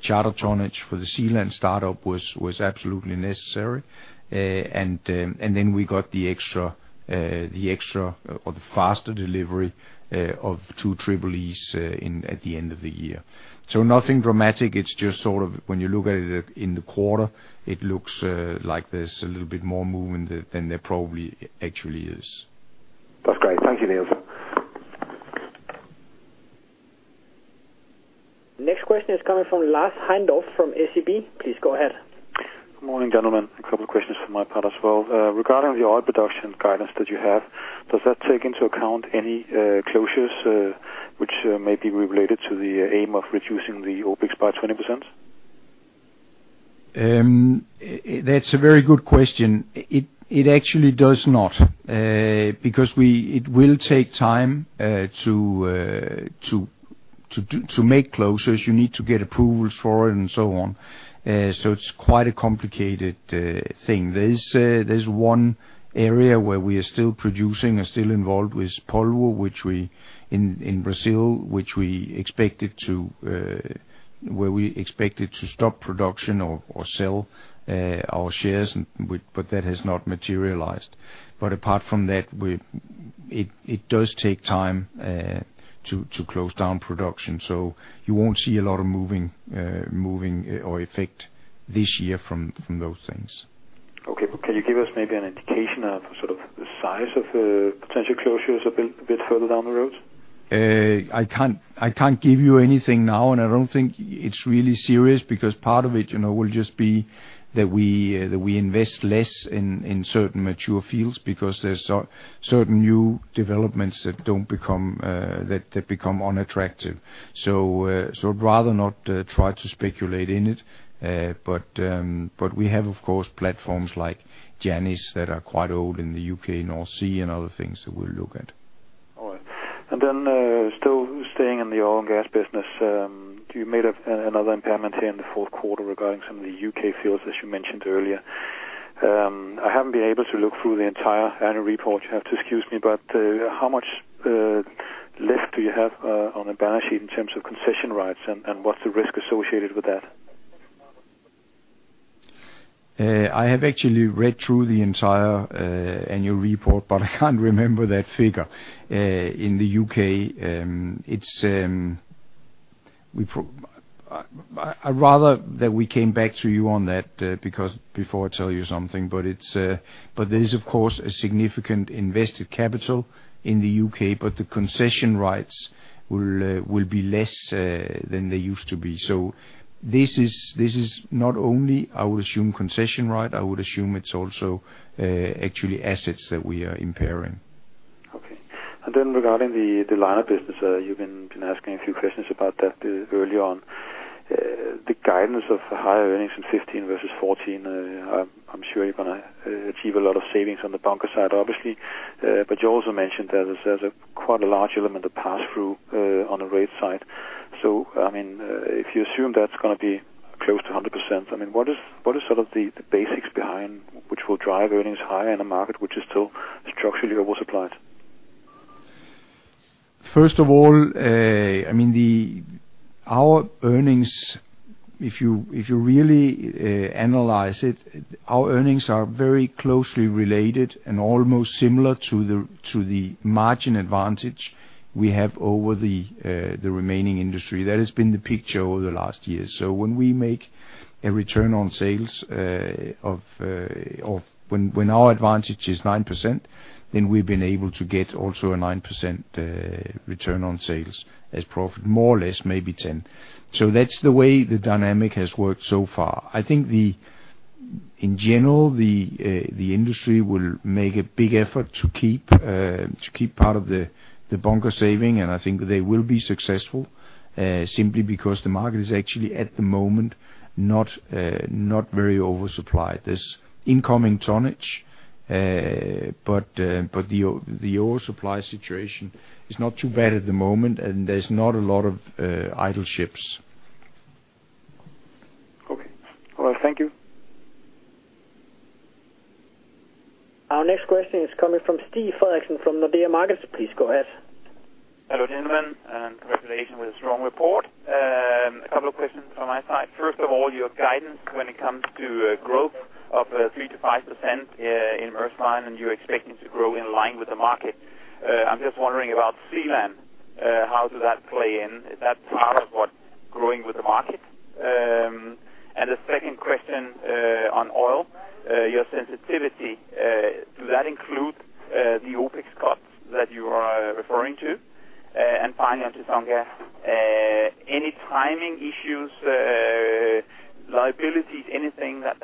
charter tonnage for the SeaLand startup was absolutely necessary. We got the extra or the faster delivery of 2 Triple-E's at the end of the year. Nothing dramatic. It's just sort of when you look at it in the quarter, it looks like there's a little bit more movement than there probably actually is. That's great. Thank you, Nils. Next question is coming from Lars Heindorff from SEB. Please go ahead. Good morning, gentlemen. A couple of questions from my part as well. Regarding the oil production guidance that you have, does that take into account any closures, which may be related to the aim of reducing the OpEx by 20%? That's a very good question. It actually does not, because it will take time to make closures, you need to get approvals for it and so on. So it's quite a complicated thing. There's one area where we are still producing and still involved with Polvo which we in Brazil, where we expected to stop production or sell our shares, but that has not materialized. Apart from that, it does take time to close down production. So you won't see a lot of moving or effect this year from those things. Okay. Can you give us maybe an indication of sort of the size of potential closures a bit further down the road? I can't give you anything now, and I don't think it's really serious because part of it, you know, will just be that we invest less in certain mature fields because there's certain new developments that become unattractive. I'd rather not try to speculate in it. We have, of course, platforms like Janice that are quite old in the U.K. North Sea and other things that we'll look at. All right. Still staying in the oil and gas business, you made another impairment here in the fourth quarter regarding some of the U.K. fields, as you mentioned earlier. I haven't been able to look through the entire annual report. You have to excuse me, but how much left do you have on the balance sheet in terms of concession rights, and what's the risk associated with that? I have actually read through the entire annual report, but I can't remember that figure. In the U.K., I rather that we came back to you on that, because before I tell you something, but it's but there is of course a significant invested capital in the U.K., but the concession rights will be less than they used to be. This is not only, I would assume, concession right. I would assume it's also actually assets that we are impairing. Okay. Regarding the liner business, you've been asking a few questions about that early on. The guidance of higher earnings in 2015 versus 2014, I'm sure you're gonna achieve a lot of savings on the bunker side, obviously. But you also mentioned there's quite a large element of pass-through on the rate side. I mean, if you assume that's gonna be close to 100%, I mean, what is sort of the basics behind which will drive earnings higher in a market which is still structurally oversupplied? First of all, I mean, if you really analyze it, our earnings are very closely related and almost similar to the margin advantage we have over the remaining industry. That has been the picture over the last year. When we make a return on sales when our advantage is 9%, then we've been able to get also a 9% return on sales as profit, more or less, maybe 10%. That's the way the dynamic has worked so far. I think in general the industry will make a big effort to keep part of the bunker saving, and I think they will be successful simply because the market is actually at the moment not very oversupplied. There's incoming tonnage, but the oversupply situation is not too bad at the moment, and there's not a lot of idle ships. Okay. All right. Thank you. Our next question is coming from Stig Frederiksen from Nordea Markets. Please go ahead. Hello, gentlemen, and congratulations with a strong report. A couple of questions from my side. First of all, your guidance when it comes to growth of 3%-5% in Maersk Line, and you're expecting to grow in line with the market. I'm just wondering about SeaLand. How does that play in? Is that part of what growing with the market? The second question on oil, your sensitivity, does that include the OpEx costs that you are referring to? Finally, on Chissonga, any timing issues, liabilities, anything that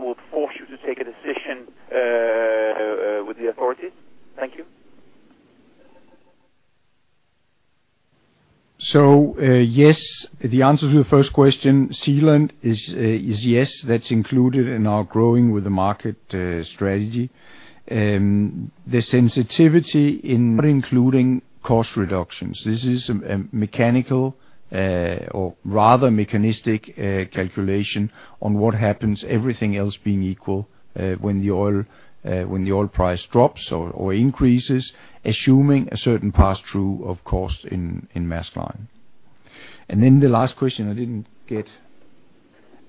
would force you to take a decision with the authorities? Thank you. Yes, the answer to the first question, SeaLand is yes, that's included in our growing with the market strategy. The sensitivity in not including cost reductions. This is a mechanical, or rather mechanistic, calculation on what happens, everything else being equal, when the oil price drops or increases, assuming a certain pass-through of costs in Maersk Line. The last question I didn't get.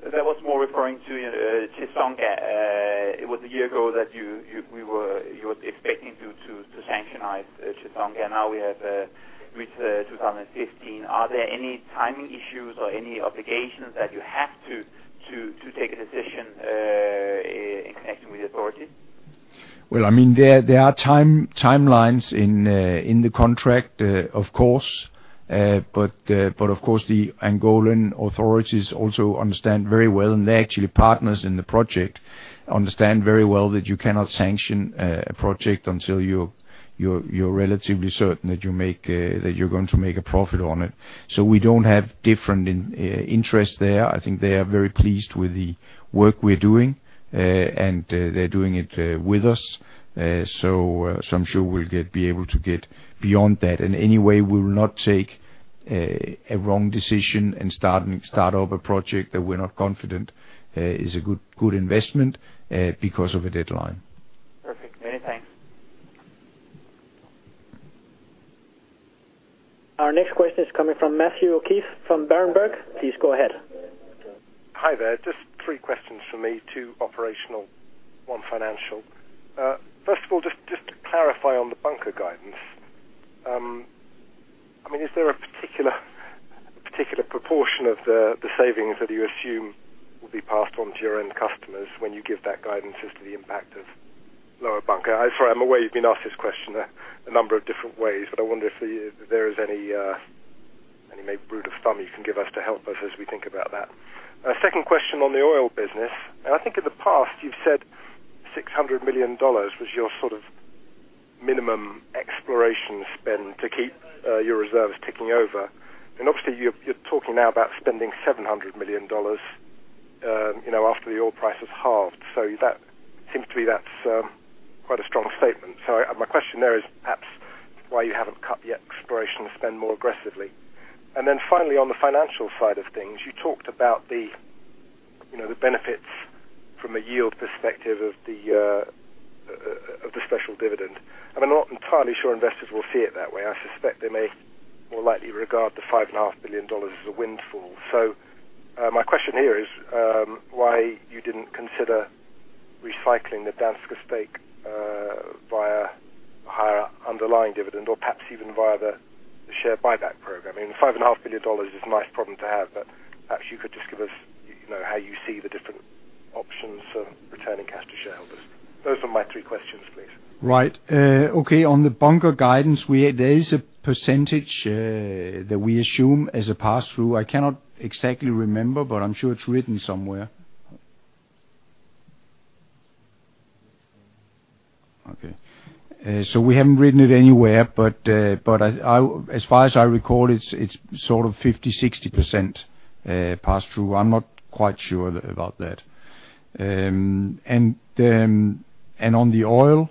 That was more referring to Chissonga. It was a year ago that you were expecting to sanction Chissonga. Now we have reached 2015. Are there any timing issues or any obligations that you have to take a decision in connection with the authorities? Well, I mean, there are timelines in the contract, of course. Of course, the Angolan authorities also understand very well, and they're actually partners in the project, understand very well that you cannot sanction a project until you're relatively certain that you're going to make a profit on it. We don't have different interests there. I think they are very pleased with the work we're doing. They're doing it with us. I'm sure we'll be able to get beyond that. Anyway, we will not take a wrong decision and start up a project that we're not confident is a good investment because of a deadline. Perfect. Many thanks. Our next question is coming from Matthew O'Keeffe from Berenberg. Please go ahead. Hi there. Just three questions from me, two operational, one financial. First of all, just to clarify on the bunker guidance. I mean, is there a particular proportion of the savings that you assume will be passed on to your end customers when you give that guidance as to the impact of lower bunker? I'm sorry, I'm aware you've been asked this question a number of different ways, but I wonder if there is any maybe rule of thumb you can give us to help us as we think about that. Second question on the oil business. I think in the past you've said $600 million was your sort of minimum exploration spend to keep your reserves ticking over. Obviously you're talking now about spending $700 million, you know, after the oil price has halved. That seems quite a strong statement. My question there is perhaps why you haven't cut the exploration spend more aggressively. Then finally, on the financial side of things, you talked about the benefits, you know, from a yield perspective of the special dividend. I mean, I'm not entirely sure investors will see it that way. I suspect they may more likely regard the $5.5 billion as a windfall. My question here is why you didn't consider recycling the Danske stake via higher underlying dividend or perhaps even via the share buyback program. I mean, $5.5 billion is a nice problem to have. Perhaps you could just give us, you know, how you see the different options for returning cash to shareholders. Those are my three questions, please. Right. Okay. On the bunker guidance, there is a percentage that we assume as a pass-through. I cannot exactly remember, but I'm sure it's written somewhere. Okay. We haven't written it anywhere, but I, as far as I recall, it's sort of 50%-60% pass-through. I'm not quite sure about that. And then on the oil,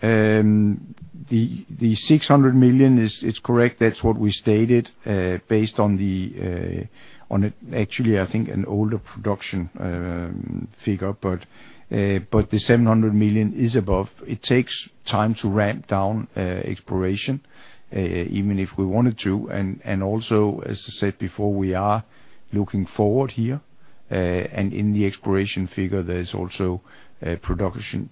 the $600 million is correct. That's what we stated based on the, actually I think an older production figure. The $700 million is above. It takes time to ramp down exploration even if we wanted to. Also, as I said before, we are looking forward here. In the exploration figure, there is also production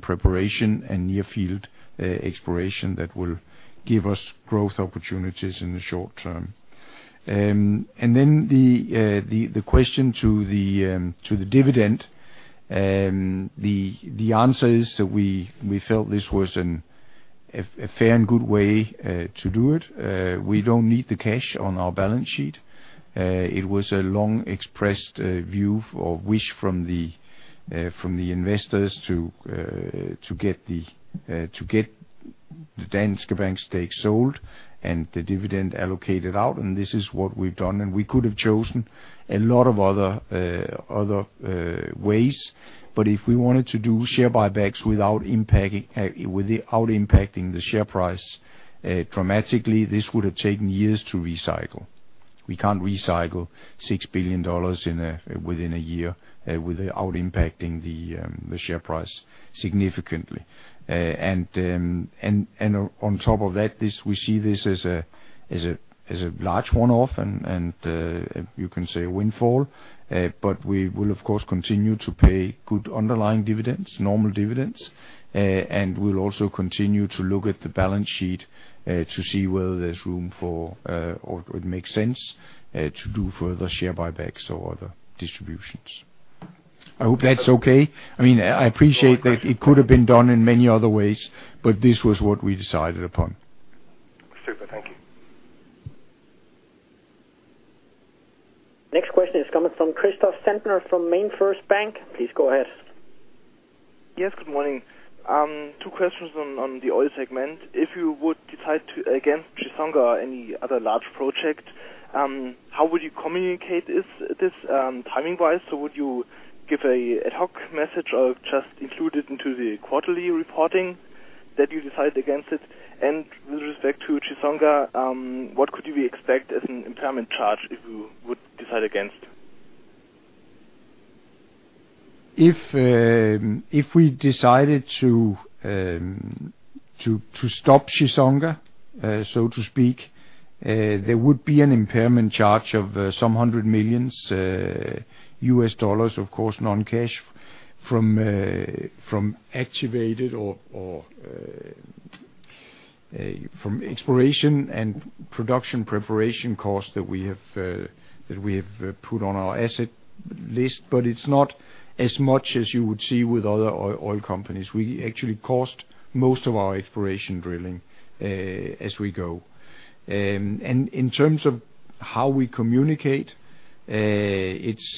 preparation and near field exploration that will give us growth opportunities in the short term. Then the question to the dividend, the answer is that we felt this was a fair and good way to do it. We don't need the cash on our balance sheet. It was a long expressed view or wish from the investors to get the Danske Bank stake sold and the dividend allocated out, and this is what we've done. We could have chosen a lot of other ways. If we wanted to do share buybacks without impacting the share price dramatically, this would have taken years to recycle. We can't recycle $6 billion within a year without impacting the share price significantly. On top of that, we see this as a large one-off and you can say windfall. We will of course continue to pay good underlying dividends, normal dividends. We'll also continue to look at the balance sheet to see whether there's room for or it makes sense to do further share buybacks or other distributions. I hope that's okay. I mean, I appreciate that it could have been done in many other ways, but this was what we decided upon. Super. Thank you. Next question is coming from Christoph Sandner from MainFirst Bank. Please go ahead. Yes, good morning. Two questions on the oil segment. If you would decide against Chissonga or any other large project, how would you communicate this timing-wise? Would you give an ad hoc message or just include it into the quarterly reporting that you decided against it? With respect to Chissonga, what could we expect as an impairment charge if you would decide against? If we decided to stop Chissonga, so to speak, there would be an impairment charge of some hundreds of millions of dollars, of course, non-cash from exploration and production preparation costs that we have put on our asset list. It's not as much as you would see with other oil companies. We actually expensed most of our exploration drilling as we go. In terms of how we communicate, it's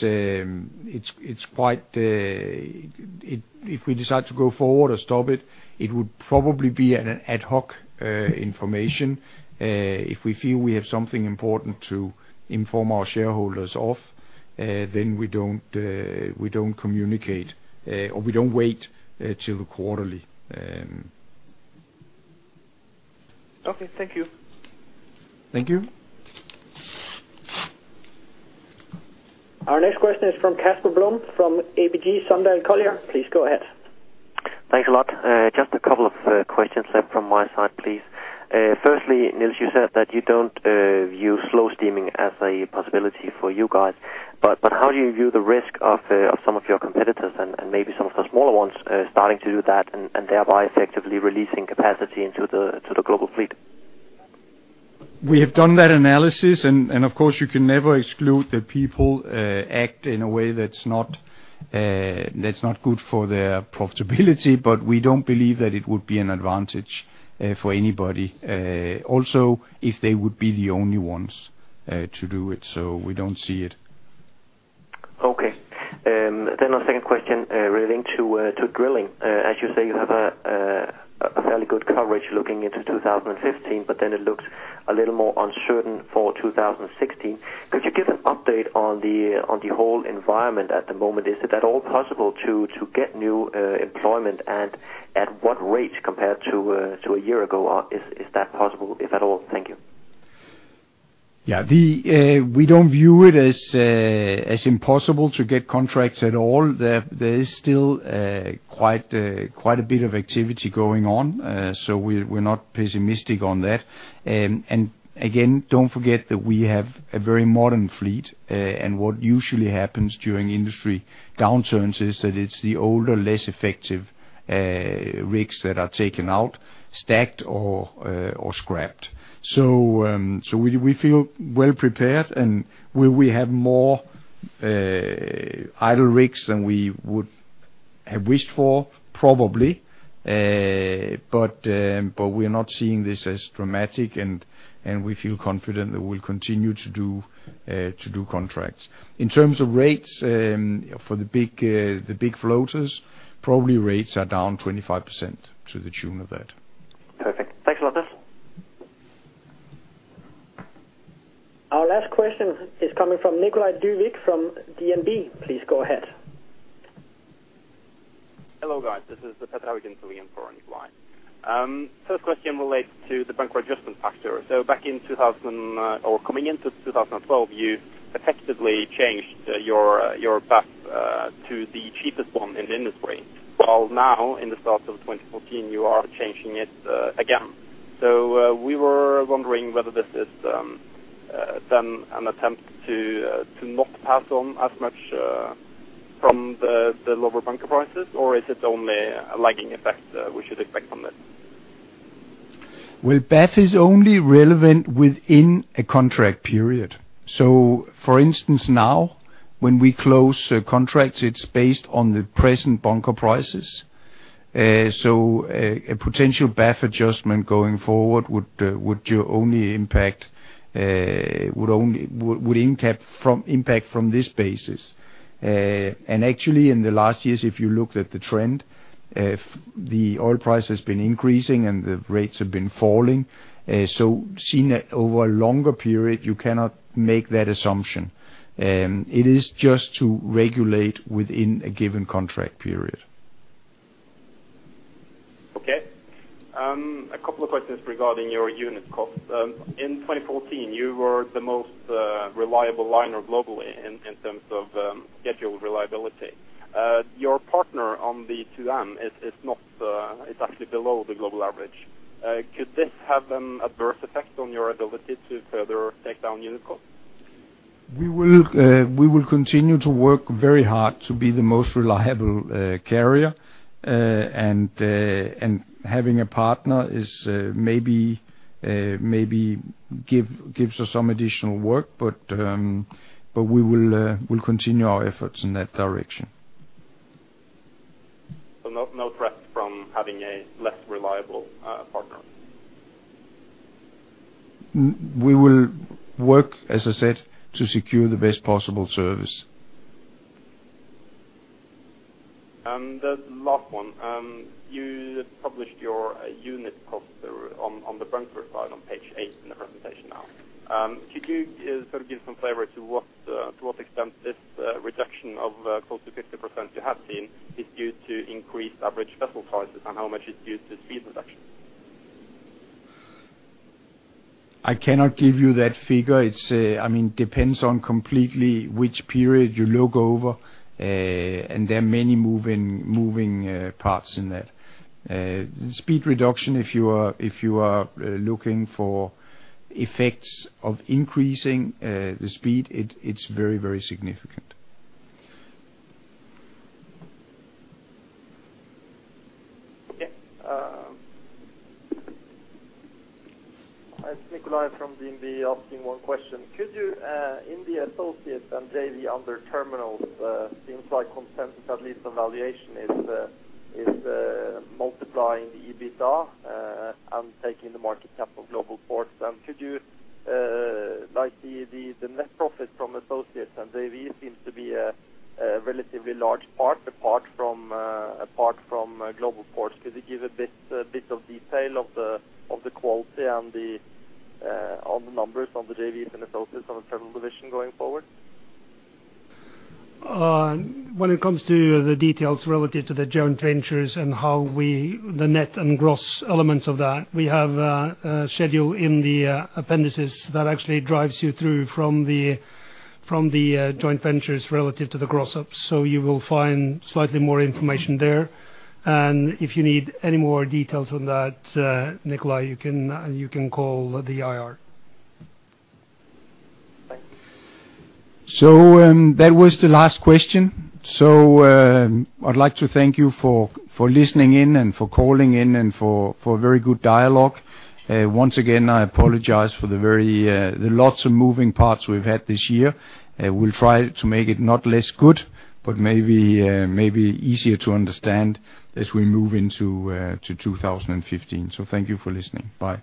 quite. If we decide to go forward or stop it would probably be at an ad hoc information. If we feel we have something important to inform our shareholders of, then we don't communicate or we don't wait till the quarterly. Okay, thank you. Thank you. Our next question is from Casper Blom from ABG Sundal Collier. Please go ahead. Thanks a lot. Just a couple of questions left from my side, please. Firstly, Nils, you said that you don't view slow steaming as a possibility for you guys. How do you view the risk of some of your competitors and maybe some of the smaller ones starting to do that, and thereby effectively releasing capacity into the global fleet? We have done that analysis and of course, you can never exclude that people act in a way that's not good for their profitability. We don't believe that it would be an advantage for anybody also if they would be the only ones to do it. We don't see it. A second question relating to drilling. As you say, you have a fairly good coverage looking into 2015, but then it looks a little more uncertain for 2016. Could you give an update on the whole environment at the moment? Is it at all possible to get new employment and at what rate compared to a year ago? Is that possible, if at all? Thank you. Yeah. We don't view it as impossible to get contracts at all. There is still quite a bit of activity going on. We're not pessimistic on that. Again, don't forget that we have a very modern fleet. What usually happens during industry downturns is that it's the older, less effective rigs that are taken out, stacked or scrapped. We feel well prepared and we will have more idle rigs than we would have wished for probably. We're not seeing this as dramatic, and we feel confident that we'll continue to do contracts. In terms of rates, for the big floaters, probably rates are down 25% to the tune of that. Perfect. Thanks a lot, Nils. Our last question is coming from Nicolay Dyvik from DNB. Please go ahead. Hello, guys. First question relates to, (audio distortion) back in, or coming in to 2012 you effectively changed your (audio distortion) to the cheapest loans in the industry rates and now in 2014, your now changing it again. We are wondering whether this is then an attempt to knock pass on as much from the (audio distortion) or is it only a lagging effect we should expect from it? Well, that is only relevant within the contract period. For instance now when we close contract its based on present bunker prices so potential bunker adjustment going forward would only impact from this basis, and actually last year if you look at the trend the oil prices have been increasing and prices have been falling. Over longer period you can not make that assumption, it is just to regulate within a given contract period Okay, a couple questions regarding youe unit cost, in 2014, you were the most reliable line on global in terms of rate of reliability, your partner on the (audio distortion) is actually below the global average. Could this have an adverse effect on you ability to further take down unit cost? We will continue to work very hard to be the most reliable carrier. Having a partner is maybe, gives additional work but we will continue our efforts in that direction. That was the last question. I'd like to thank you for listening in and for calling in and for a very good dialogue. Once again, I apologize for the lots of moving parts we've had this year. We'll try to make it not less good, but maybe easier to understand as we move into 2015. Thank you for listening. Bye.